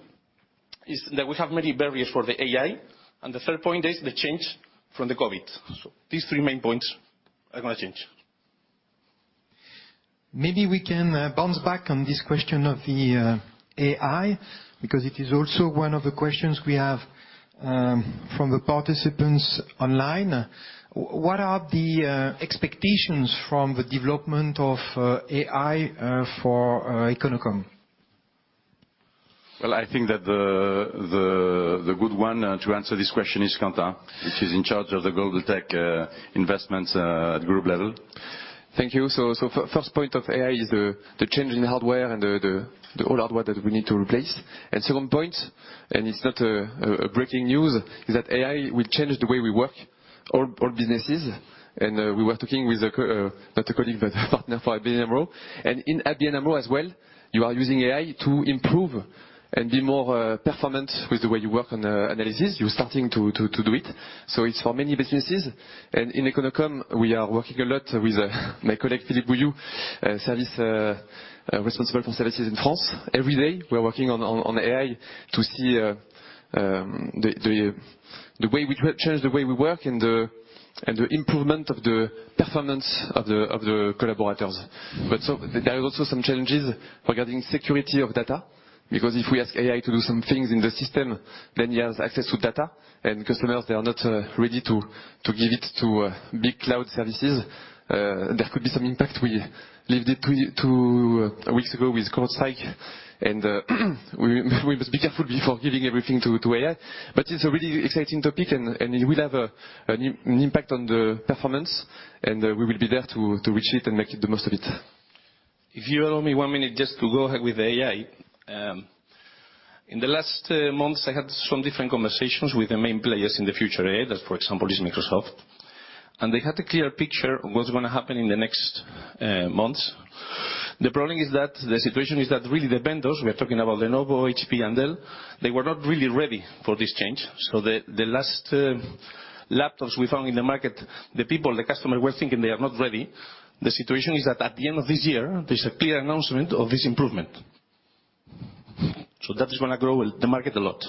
S3: is that we have many barriers for the AI. And the third point is the change from the COVID. These three main points are going to change.
S1: Maybe we can bounce back on this question of the AI, because it is also one of the questions we have from the participants online. What are the expectations from the development of AI for Econocom?
S3: Well, I think that the good one to answer this question is Quentin, which is in charge of the global tech investments at group level.
S5: Thank you. First point of AI is the change in hardware and all hardware that we need to replace. Second point, and it's not breaking news, is that AI will change the way we work, all businesses. We were talking with not a colleague, but a partner for ABN AMRO. In ABN AMRO as well, you are using AI to improve and be more performant with the way you work on analysis. You're starting to do it. So it's for many businesses. In Econocom, we are working a lot with my colleague Philippe Goullioud, service responsible for services in France. Every day, we are working on AI to see the way we change, the way we work, and the improvement of the performance of the collaborators. But there are also some challenges regarding security of data, because if we ask AI to do some things in the system, then it has access to data. Customers, they are not ready to give it to big cloud services. There could be some impact. We lived it two weeks ago with CrowdStrike. We must be careful before giving everything to AI. But it's a really exciting topic, and it will have an impact on the performance. We will be there to reach it and make the most of it.
S2: If you allow me one minute just to go ahead with the AI, in the last months, I had some different conversations with the main players in the future. For example, it's Microsoft. They had a clear picture of what's going to happen in the next months. The problem is that the situation is that really the vendors, we are talking about Lenovo, HP, and Dell, they were not really ready for this change. The last laptops we found in the market, the people, the customers were thinking they are not ready. The situation is that at the end of this year, there's a clear announcement of this improvement. That is going to grow the market a lot.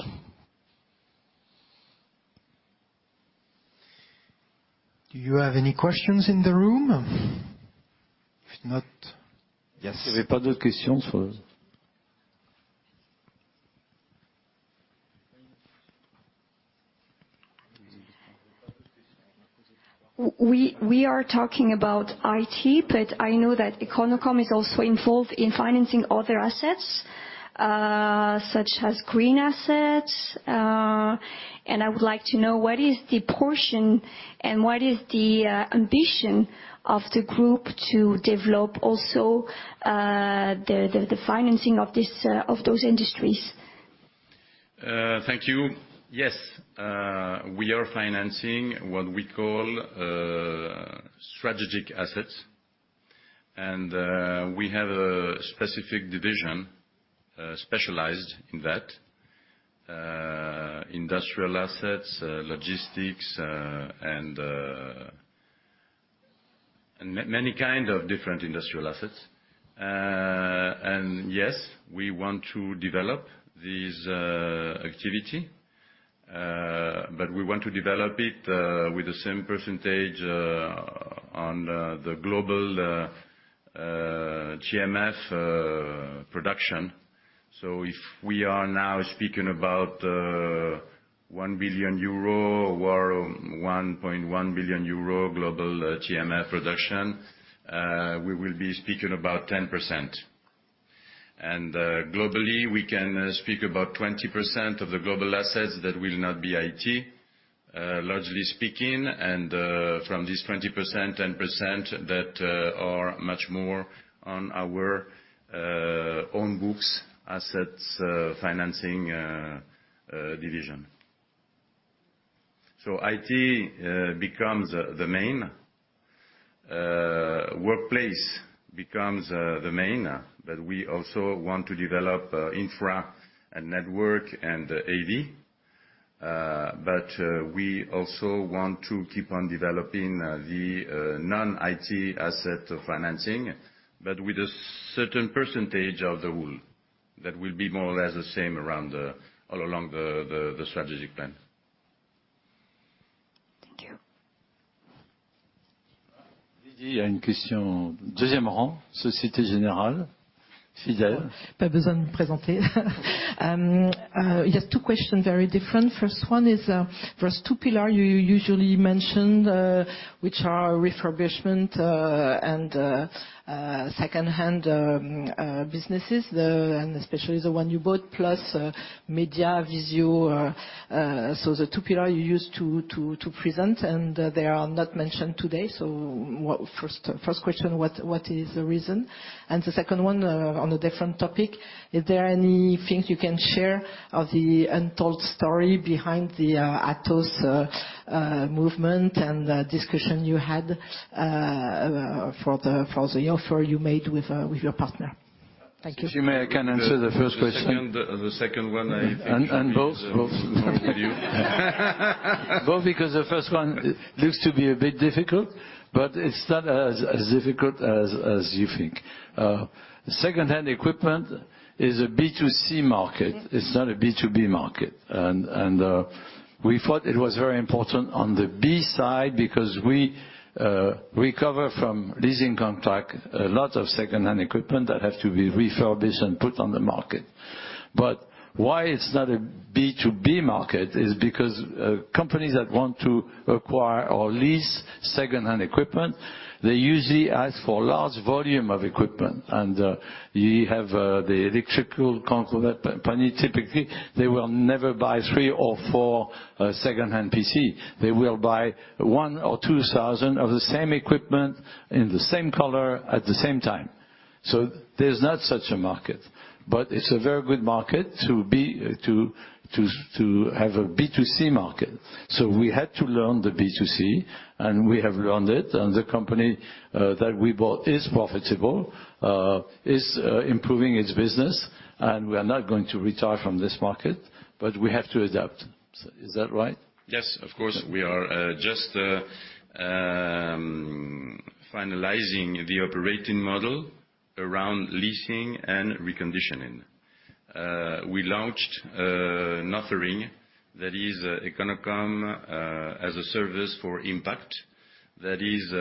S1: Do you have any questions in the room? If not.
S2: Yes.
S3: Do we have any questions for?
S7: We are talking about IT, but I know that Econocom is also involved in financing other assets, such as green assets. I would like to know what is the portion and what is the ambition of the group to develop also the financing of those industries.
S3: Thank you. Yes, we are financing what we call strategic assets. We have a specific division specialized in that: industrial assets, logistics, and many kinds of different industrial assets. Yes, we want to develop this activity, but we want to develop it with the same percentage on the global TMF production. So if we are now speaking about 1 billion euro or 1.1 billion euro global TMF production, we will be speaking about 10%. Globally, we can speak about 20% of the global assets that will not be IT, largely speaking. From this 20%, 10% that are much more on our own books assets financing division. So IT becomes the main. Workplace becomes the main. But we also want to develop infra and network and AV. But we also want to keep on developing the non-IT asset financing, but with a certain percentage of the whole that will be more or less the same all along the strategic plan.
S7: Thank you.
S2: Deuxième round, Société Générale, Fidel.
S7: Pas besoin de me présenter. Just two questions, very different. First one is there are two pillars you usually mentioned, which are refurbishment and second-hand businesses, and especially the one you bought, plus media, visual. So the two pillars you used to present, and they are not mentioned today. So first question, what is the reason? And the second one on a different topic, is there anything you can share of the untold story behind the Atos movement and discussion you had for the offer you made with your partner? Thank you.
S3: If you may, I can answer the first question.
S6: The second one, I think.
S3: And both.
S6: Both.
S3: Both because the first one looks to be a bit difficult, but it's not as difficult as you think. Second-hand equipment is a B2C market. It's not a B2B market. And we thought it was very important on the B side because we recover from leasing contract a lot of second-hand equipment that have to be refurbished and put on the market. But why it's not a B2B market is because companies that want to acquire or lease second-hand equipment, they usually ask for a large volume of equipment. And you have the electrical company. Typically, they will never buy 3 or 4 second-hand PCs. They will buy 1,000 or 2,000 of the same equipment in the same color at the same time. So there's not such a market. But it's a very good market to have a B2C market. We had to learn the B2C, and we have learned it. The company that we bought is profitable, is improving its business, and we are not going to retire from this market, but we have to adapt. Is that right?
S6: Yes, of course. We are just finalizing the operating model around leasing and reconditioning. We launched an offering that is Econocom as a service for impact that is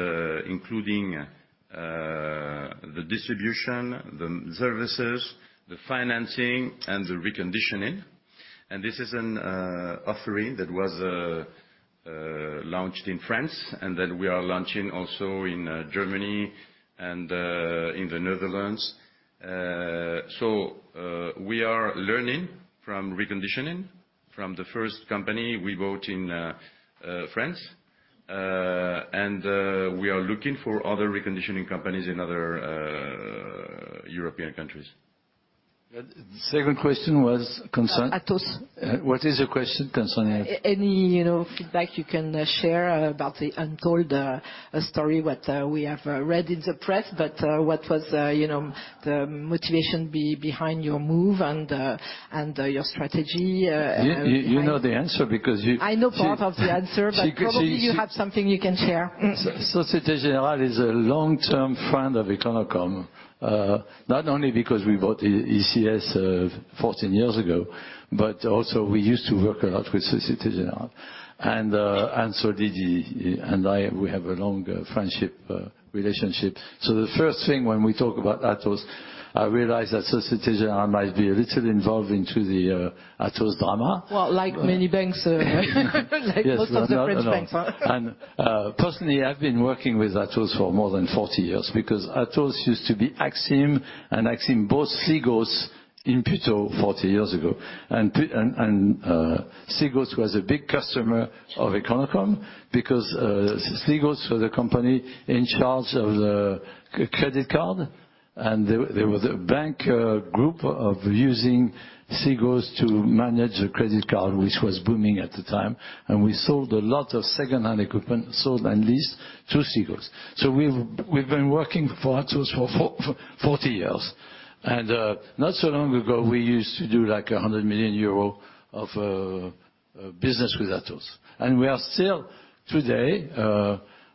S6: including the distribution, the services, the financing, and the reconditioning. This is an offering that was launched in France, and then we are launching also in Germany and in the Netherlands. We are learning from reconditioning from the first company we bought in France. We are looking for other reconditioning companies in other European countries.
S2: The second question was concerned.
S7: Atos.
S2: What is your question concerning?
S7: Any feedback you can share about the untold story, what we have read in the press, but what was the motivation behind your move and your strategy?
S3: You know the answer because you.
S7: I know part of the answer, but probably you have something you can share.
S3: Société Générale is a long-term friend of Econocom, not only because we bought ECS 14 years ago, but also we used to work a lot with Société Générale. And so did he, and we have a long friendship relationship. So the first thing when we talk about Atos, I realized that Société Générale might be a little involved into the Atos drama.
S7: Well, like many banks, like most of the French banks.
S3: Personally, I've been working with Atos for more than 40 years because Atos used to be Axime, and Axime bought Sligos about 40 years ago. Sligos was a big customer of Econocom because Sligos was the company in charge of the credit card. There was a bank group using Sligos to manage the credit card, which was booming at the time. We sold a lot of second-hand equipment, sold and leased to Sligos. So we've been working for Atos for 40 years. Not so long ago, we used to do like 100 million euro of business with Atos. We are still today,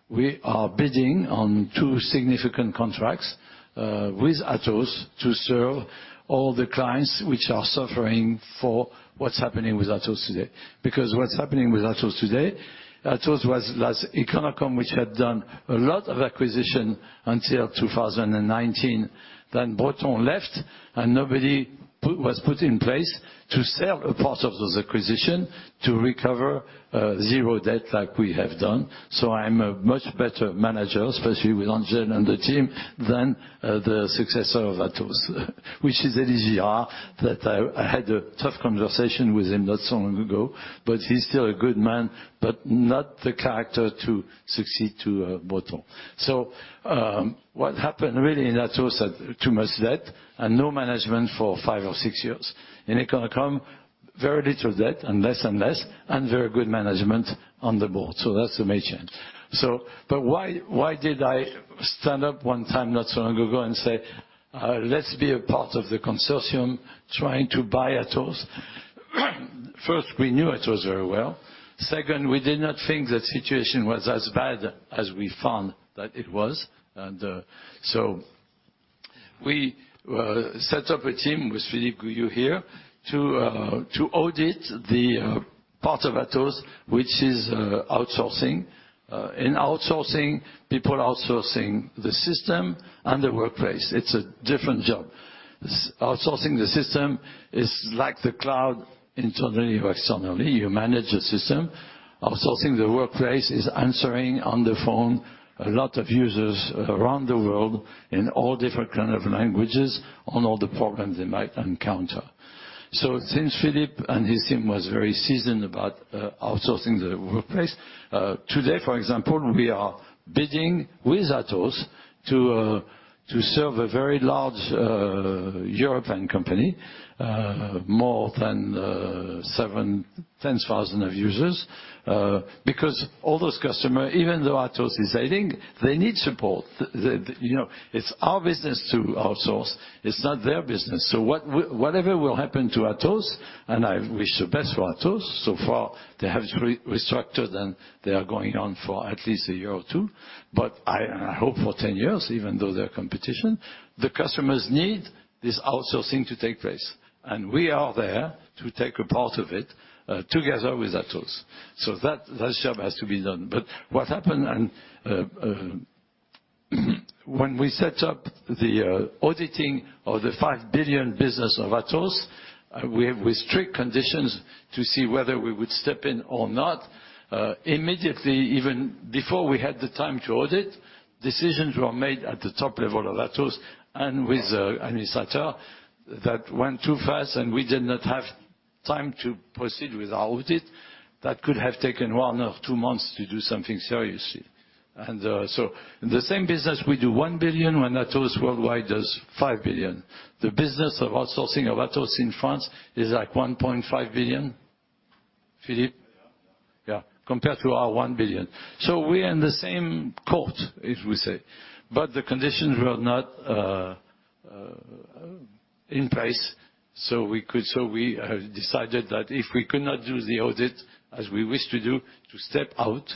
S3: we are bidding on two significant contracts with Atos to serve all the clients which are suffering from what's happening with Atos today. Because what's happening with Atos today, Atos was like Econocom which had done a lot of acquisition until 2019, then Breton left, and nobody was put in place to sell a part of those acquisitions to recover zero debt like we have done. So I'm a much better manager, especially with Angel and the team, than the successor of Atos, which is David Layani that I had a tough conversation with him not so long ago, but he's still a good man, but not the character to succeed to Breton. So what happened really in Atos had too much debt and no management for five or six years. In Econocom, very little debt and less and less, and very good management on the board. So that's the main change. But why did I stand up one time not so long ago and say, let's be a part of the consortium trying to buy Atos? First, we knew Atos very well. Second, we did not think that situation was as bad as we found that it was. And so we set up a team with Philippe Goullioud here to audit the part of Atos which is outsourcing. In outsourcing, people outsourcing the system and the workplace. It's a different job. Outsourcing the system is like the cloud internally or externally. You manage the system. Outsourcing the workplace is answering on the phone a lot of users around the world in all different kinds of languages on all the problems they might encounter. So since Philippe and his team was very seasoned about outsourcing the workplace, today, for example, we are bidding with Atos to serve a very large European company, more than 7,000 users, because all those customers, even though Atos is ailing, they need support. It's our business to outsource. It's not their business. So whatever will happen to Atos, and I wish the best for Atos. So far, they have restructured and they are going on for at least a year or two, but I hope for 10 years, even though they're competition, the customers need this outsourcing to take place. And we are there to take a part of it together with Atos. So that job has to be done. But what happened when we set up the auditing of the 5 billion business of Atos, we have with strict conditions to see whether we would step in or not. Immediately, even before we had the time to audit, decisions were made at the top level of Atos and with an administrator that went too fast and we did not have time to proceed with our audit that could have taken one or two months to do something seriously. And so in the same business, we do 1 billion when Atos worldwide does 5 billion. The business of outsourcing of Atos in France is like 1.5 billion. Philippe? Yeah, compared to our 1 billion. So we are in the same court, as we say. But the conditions were not in place. So we decided that if we could not do the audit as we wish to do, to step out,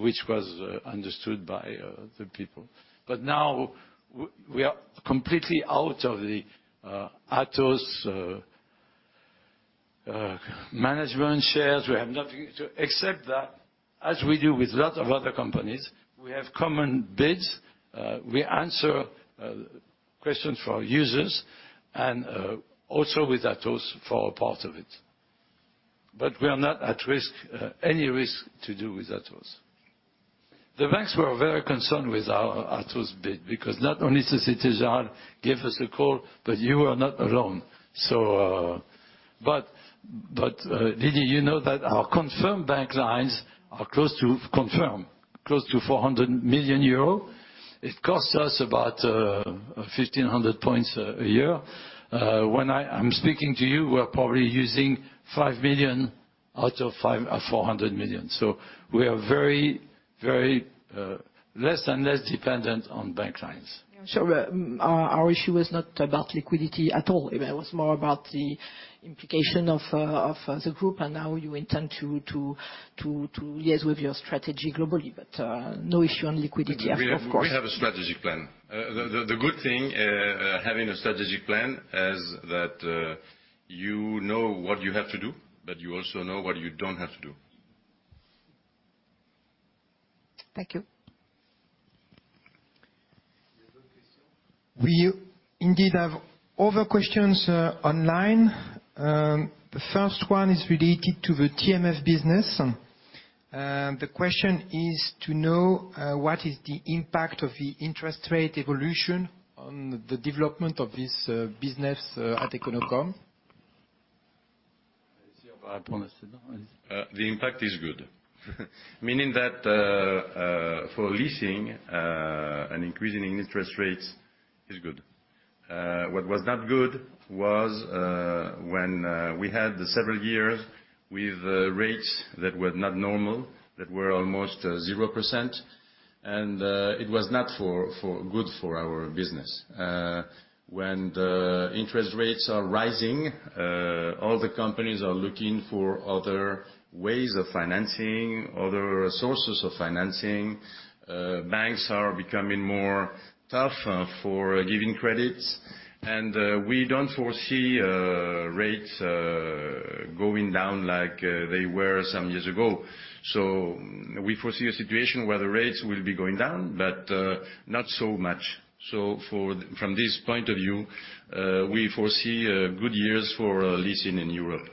S3: which was understood by the people. But now we are completely out of the Atos management shares. We have nothing to expect that, as we do with a lot of other companies, we have common bids. We answer questions for users and also with Atos for a part of it. But we are not at risk, any risk to do with Atos. The banks were very concerned with our Atos bid because not only Société Générale gave us a call, but you were not alone. But Lydia, you know that our confirmed bank lines are close to confirmed, close to 400 million euro. It costs us about 1,500 points a year. When I'm speaking to you, we're probably using 5 million out of 400 million. We are very, very less and less dependent on bank lines.
S7: I'm sure our issue was not about liquidity at all. It was more about the implication of the group and how you intend to liaise with your strategy globally. But no issue on liquidity, of course.
S6: We have a strategic plan. The good thing having a strategic plan is that you know what you have to do, but you also know what you don't have to do.
S1: Thank you. We indeed have other questions online. The first one is related to the TMF business. The question is to know what is the impact of the interest rate evolution on the development of this business at Econocom.
S6: The impact is good, meaning that for leasing and increasing interest rates is good. What was not good was when we had several years with rates that were not normal, that were almost 0%, and it was not good for our business. When the interest rates are rising, all the companies are looking for other ways of financing, other sources of financing. Banks are becoming more tough for giving credits. And we don't foresee rates going down like they were some years ago. So we foresee a situation where the rates will be going down, but not so much. So from this point of view, we foresee good years for leasing in Europe.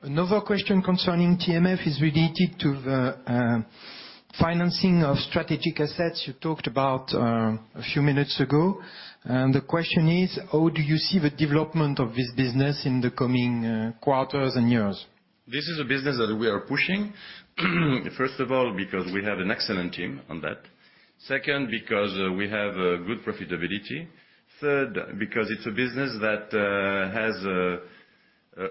S1: Another question concerning TMF is related to the financing of strategic assets you talked about a few minutes ago. The question is, how do you see the development of this business in the coming quarters and years?
S6: This is a business that we are pushing, first of all, because we have an excellent team on that. Second, because we have good profitability. Third, because it's a business that has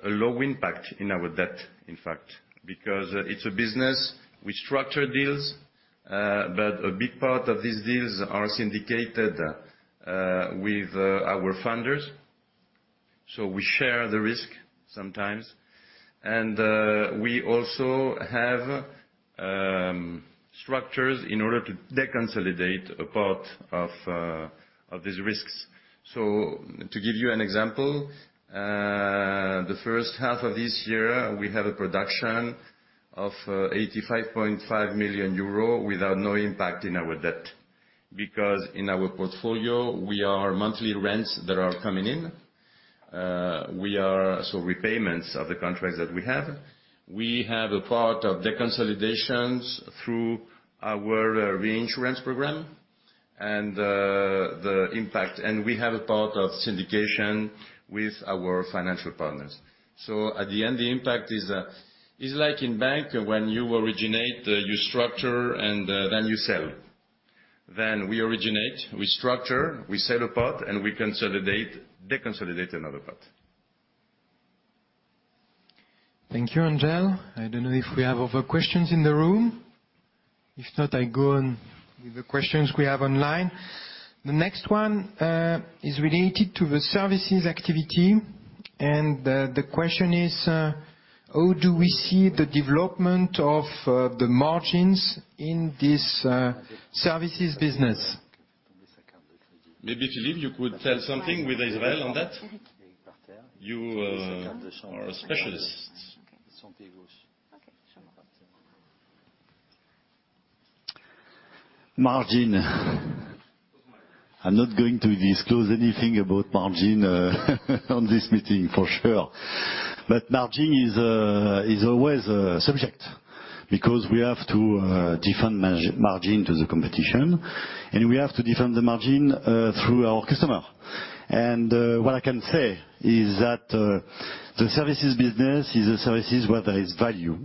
S6: a low impact in our debt, in fact, because it's a business we structure deals, but a big part of these deals are syndicated with our funders. So we share the risk sometimes. And we also have structures in order to de-consolidate a part of these risks. So to give you an example, the first half of this year, we have a production of 85.5 million euro without no impact in our debt because in our portfolio, we are monthly rents that are coming in. We are also repayments of the contracts that we have. We have a part of de-consolidations through our reinsurance program and the impact. We have a part of syndication with our financial partners. At the end, the impact is like in bank when you originate, you structure, and then you sell. We originate, we structure, we sell a part, and we consolidate, de-consolidate another part.
S1: Thank you, Angel. I don't know if we have other questions in the room. If not, I go on with the questions we have online. The next one is related to the services activity. The question is, how do we see the development of the margins in this services business?
S6: Maybe Philippe, you could tell something with Israel on that. You are a specialist.
S2: Margin. I'm not going to disclose anything about margin in this meeting, for sure. Margin is always a subject because we have to defend margin to the competition, and we have to defend the margin through our customer. What I can say is that the services business is a service where there is value.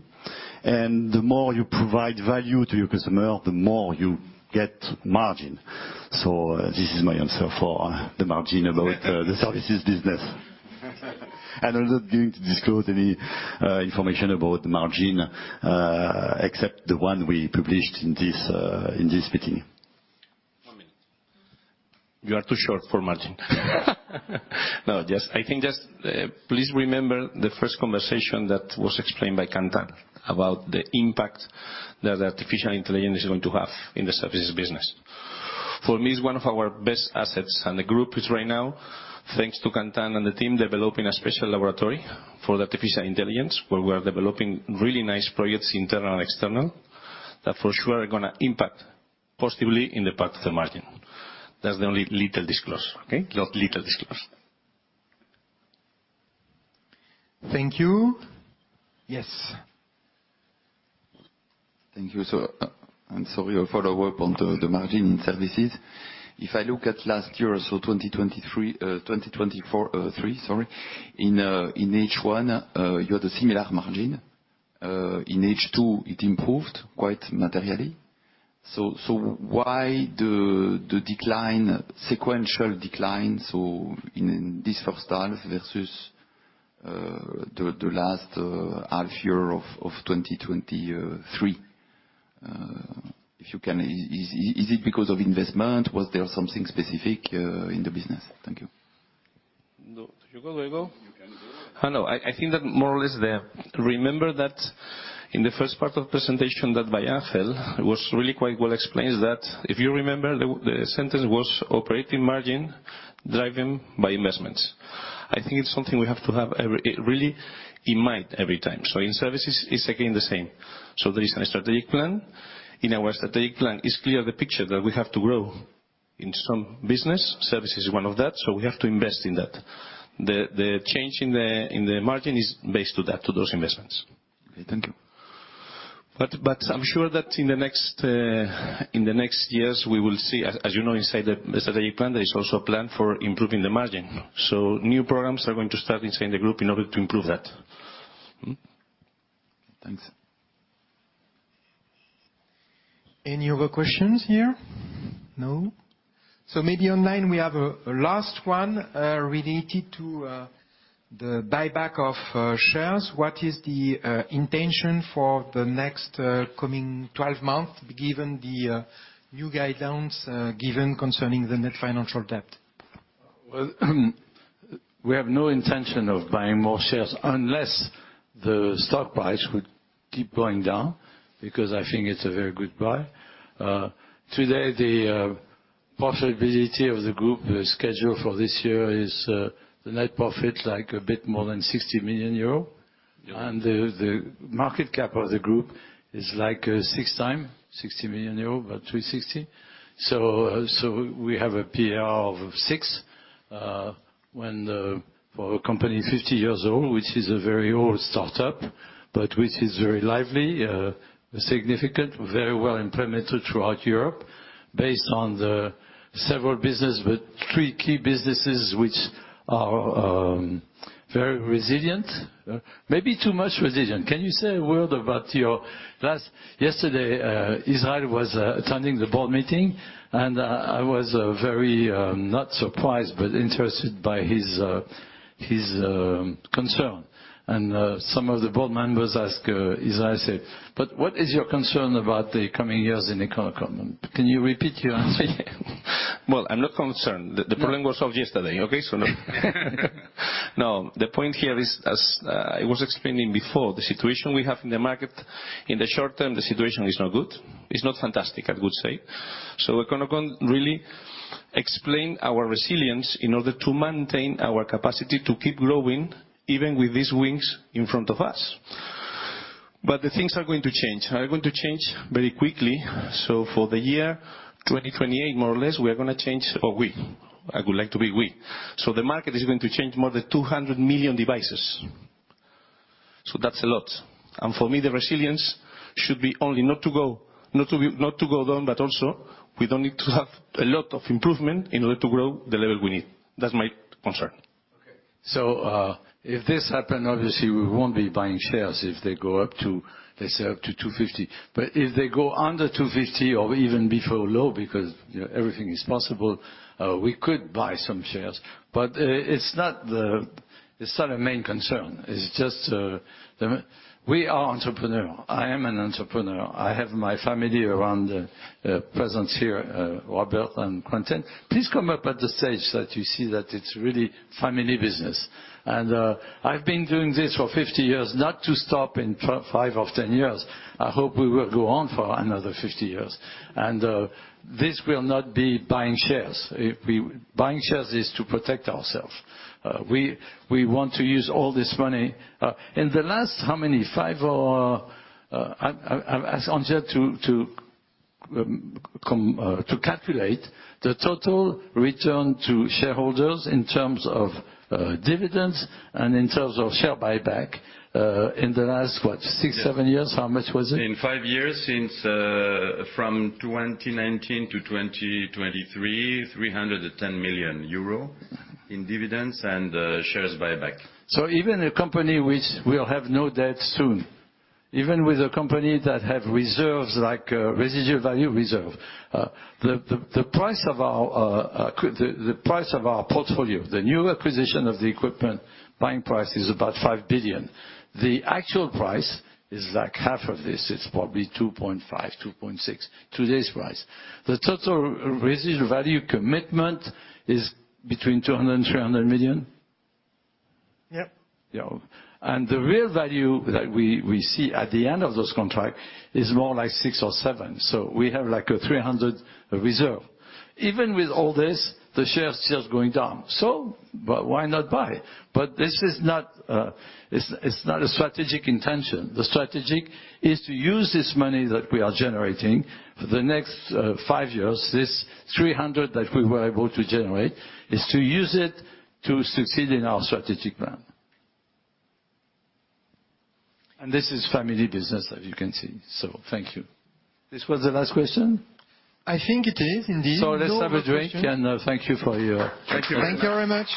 S2: The more you provide value to your customer, the more you get margin. This is my answer for the margin about the services business. I'm not going to disclose any information about the margin except the one we published in this meeting.
S6: One minute.
S2: You are too short for margin.
S6: No, I think just please remember the first conversation that was explained by Chantal about the impact that artificial intelligence is going to have in the services business. For me, it's one of our best assets. And the group is right now, thanks to Chantal and the team, developing a special laboratory for the artificial intelligence where we are developing really nice projects, internal and external, that for sure are going to impact positively in the part of the margin. That's the only little disclose, okay? Little disclose.
S1: Thank you. Yes.
S7: Thank you. So I'm sorry for the word on the margin in services. If I look at last year, so 2023, sorry, in H1, you had a similar margin. In H2, it improved quite materially. So why the decline, sequential decline, so in this first half versus the last half year of 2023? If you can, is it because of investment? Was there something specific in the business? Thank you.
S2: No, you go, Diego.
S6: No, I think that more or less there. Remember that in the first part of the presentation that by Angel, it was really quite well explained that if you remember, the sentence was operating margin driven by investments. I think it's something we have to have really in mind every time. So in services, it's again the same. So there is a strategic plan. In our strategic plan, it's clear the picture that we have to grow in some business. Services is one of that. So we have to invest in that. The change in the margin is based to that, to those investments.
S2: Thank you.
S6: I'm sure that in the next years, we will see, as you know, inside the strategic plan, there is also a plan for improving the margin. New programs are going to start inside the group in order to improve that.
S1: Thanks. Any other questions here? No? So maybe online, we have a last one related to the buyback of shares. What is the intention for the next coming 12 months given the new guidelines given concerning the net financial debt?
S6: We have no intention of buying more shares unless the stock price would keep going down because I think it's a very good buy. Today, the profitability of the group schedule for this year is the net profit like a bit more than 60 million euro. And the market cap of the group is like 6 times 60 million euro, about 360 million. So we have a PR of 6 when for a company 50 years old, which is a very old startup, but which is very lively, significant, very well implemented throughout Europe based on several businesses, but three key businesses which are very resilient. Maybe too much resilient. Can you say a word about your last yesterday, Israel was attending the board meeting, and I was very not surprised, but interested by his concern. Some of the board members asked Israel, said, "But what is your concern about the coming years in Econocom?" Can you repeat your answer? Well, I'm not concerned. The problem was of yesterday, okay? So no. No, the point here is, as I was explaining before, the situation we have in the market, in the short term, the situation is not good. It's not fantastic, I would say. So Econocom really explained our resilience in order to maintain our capacity to keep growing even with these winds in front of us. But the things are going to change. They're going to change very quickly. So for the year 2028, more or less, we are going to change, or we, I would like to be we. So the market is going to change more than 200 million devices. So that's a lot. And for me, the resilience should be only not to go down, but also we don't need to have a lot of improvement in order to grow the level we need. That's my concern.
S8: So if this happens, obviously, we won't be buying shares if they go up to, let's say, up to 250. But if they go under 250 or even before low, because everything is possible, we could buy some shares. But it's not the main concern. It's just we are entrepreneurs. I am an entrepreneur. I have my family around present here, Robert and Quentin. Please come up at the stage that you see that it's really family business. And I've been doing this for 50 years, not to stop in five or 10 years. I hope we will go on for another 50 years. And this will not be buying shares. Buying shares is to protect ourselves. We want to use all this money. In the last, how many, 5 or—I've asked Angel to calculate the total return to shareholders in terms of dividends and in terms of share buyback in the last, what, 6, 7 years, how much was it?
S6: In five years, since from 2019 to 2023, 310 million euro in dividends and shares buyback.
S8: So even a company which will have no debt soon, even with a company that has reserves like residual value reserve, the price of our portfolio, the new acquisition of the equipment buying price is about 5 billion. The actual price is like half of this. It's probably 2.5, 2.6, today's price. The total residual value commitment is between 200 million and 300 million.
S2: Yep.
S8: The real value that we see at the end of those contracts is more like 6 or 7. So we have like a 300 million reserve. Even with all this, the shares are going down. So why not buy? But this is not a strategic intention. The strategic is to use this money that we are generating for the next five years, this 300 million that we were able to generate, is to use it to succeed in our strategic plan. And this is family business, as you can see. So thank you. This was the last question?
S2: I think it is, indeed.
S8: Let's have a drink and thank you for your.
S2: Thank you very much.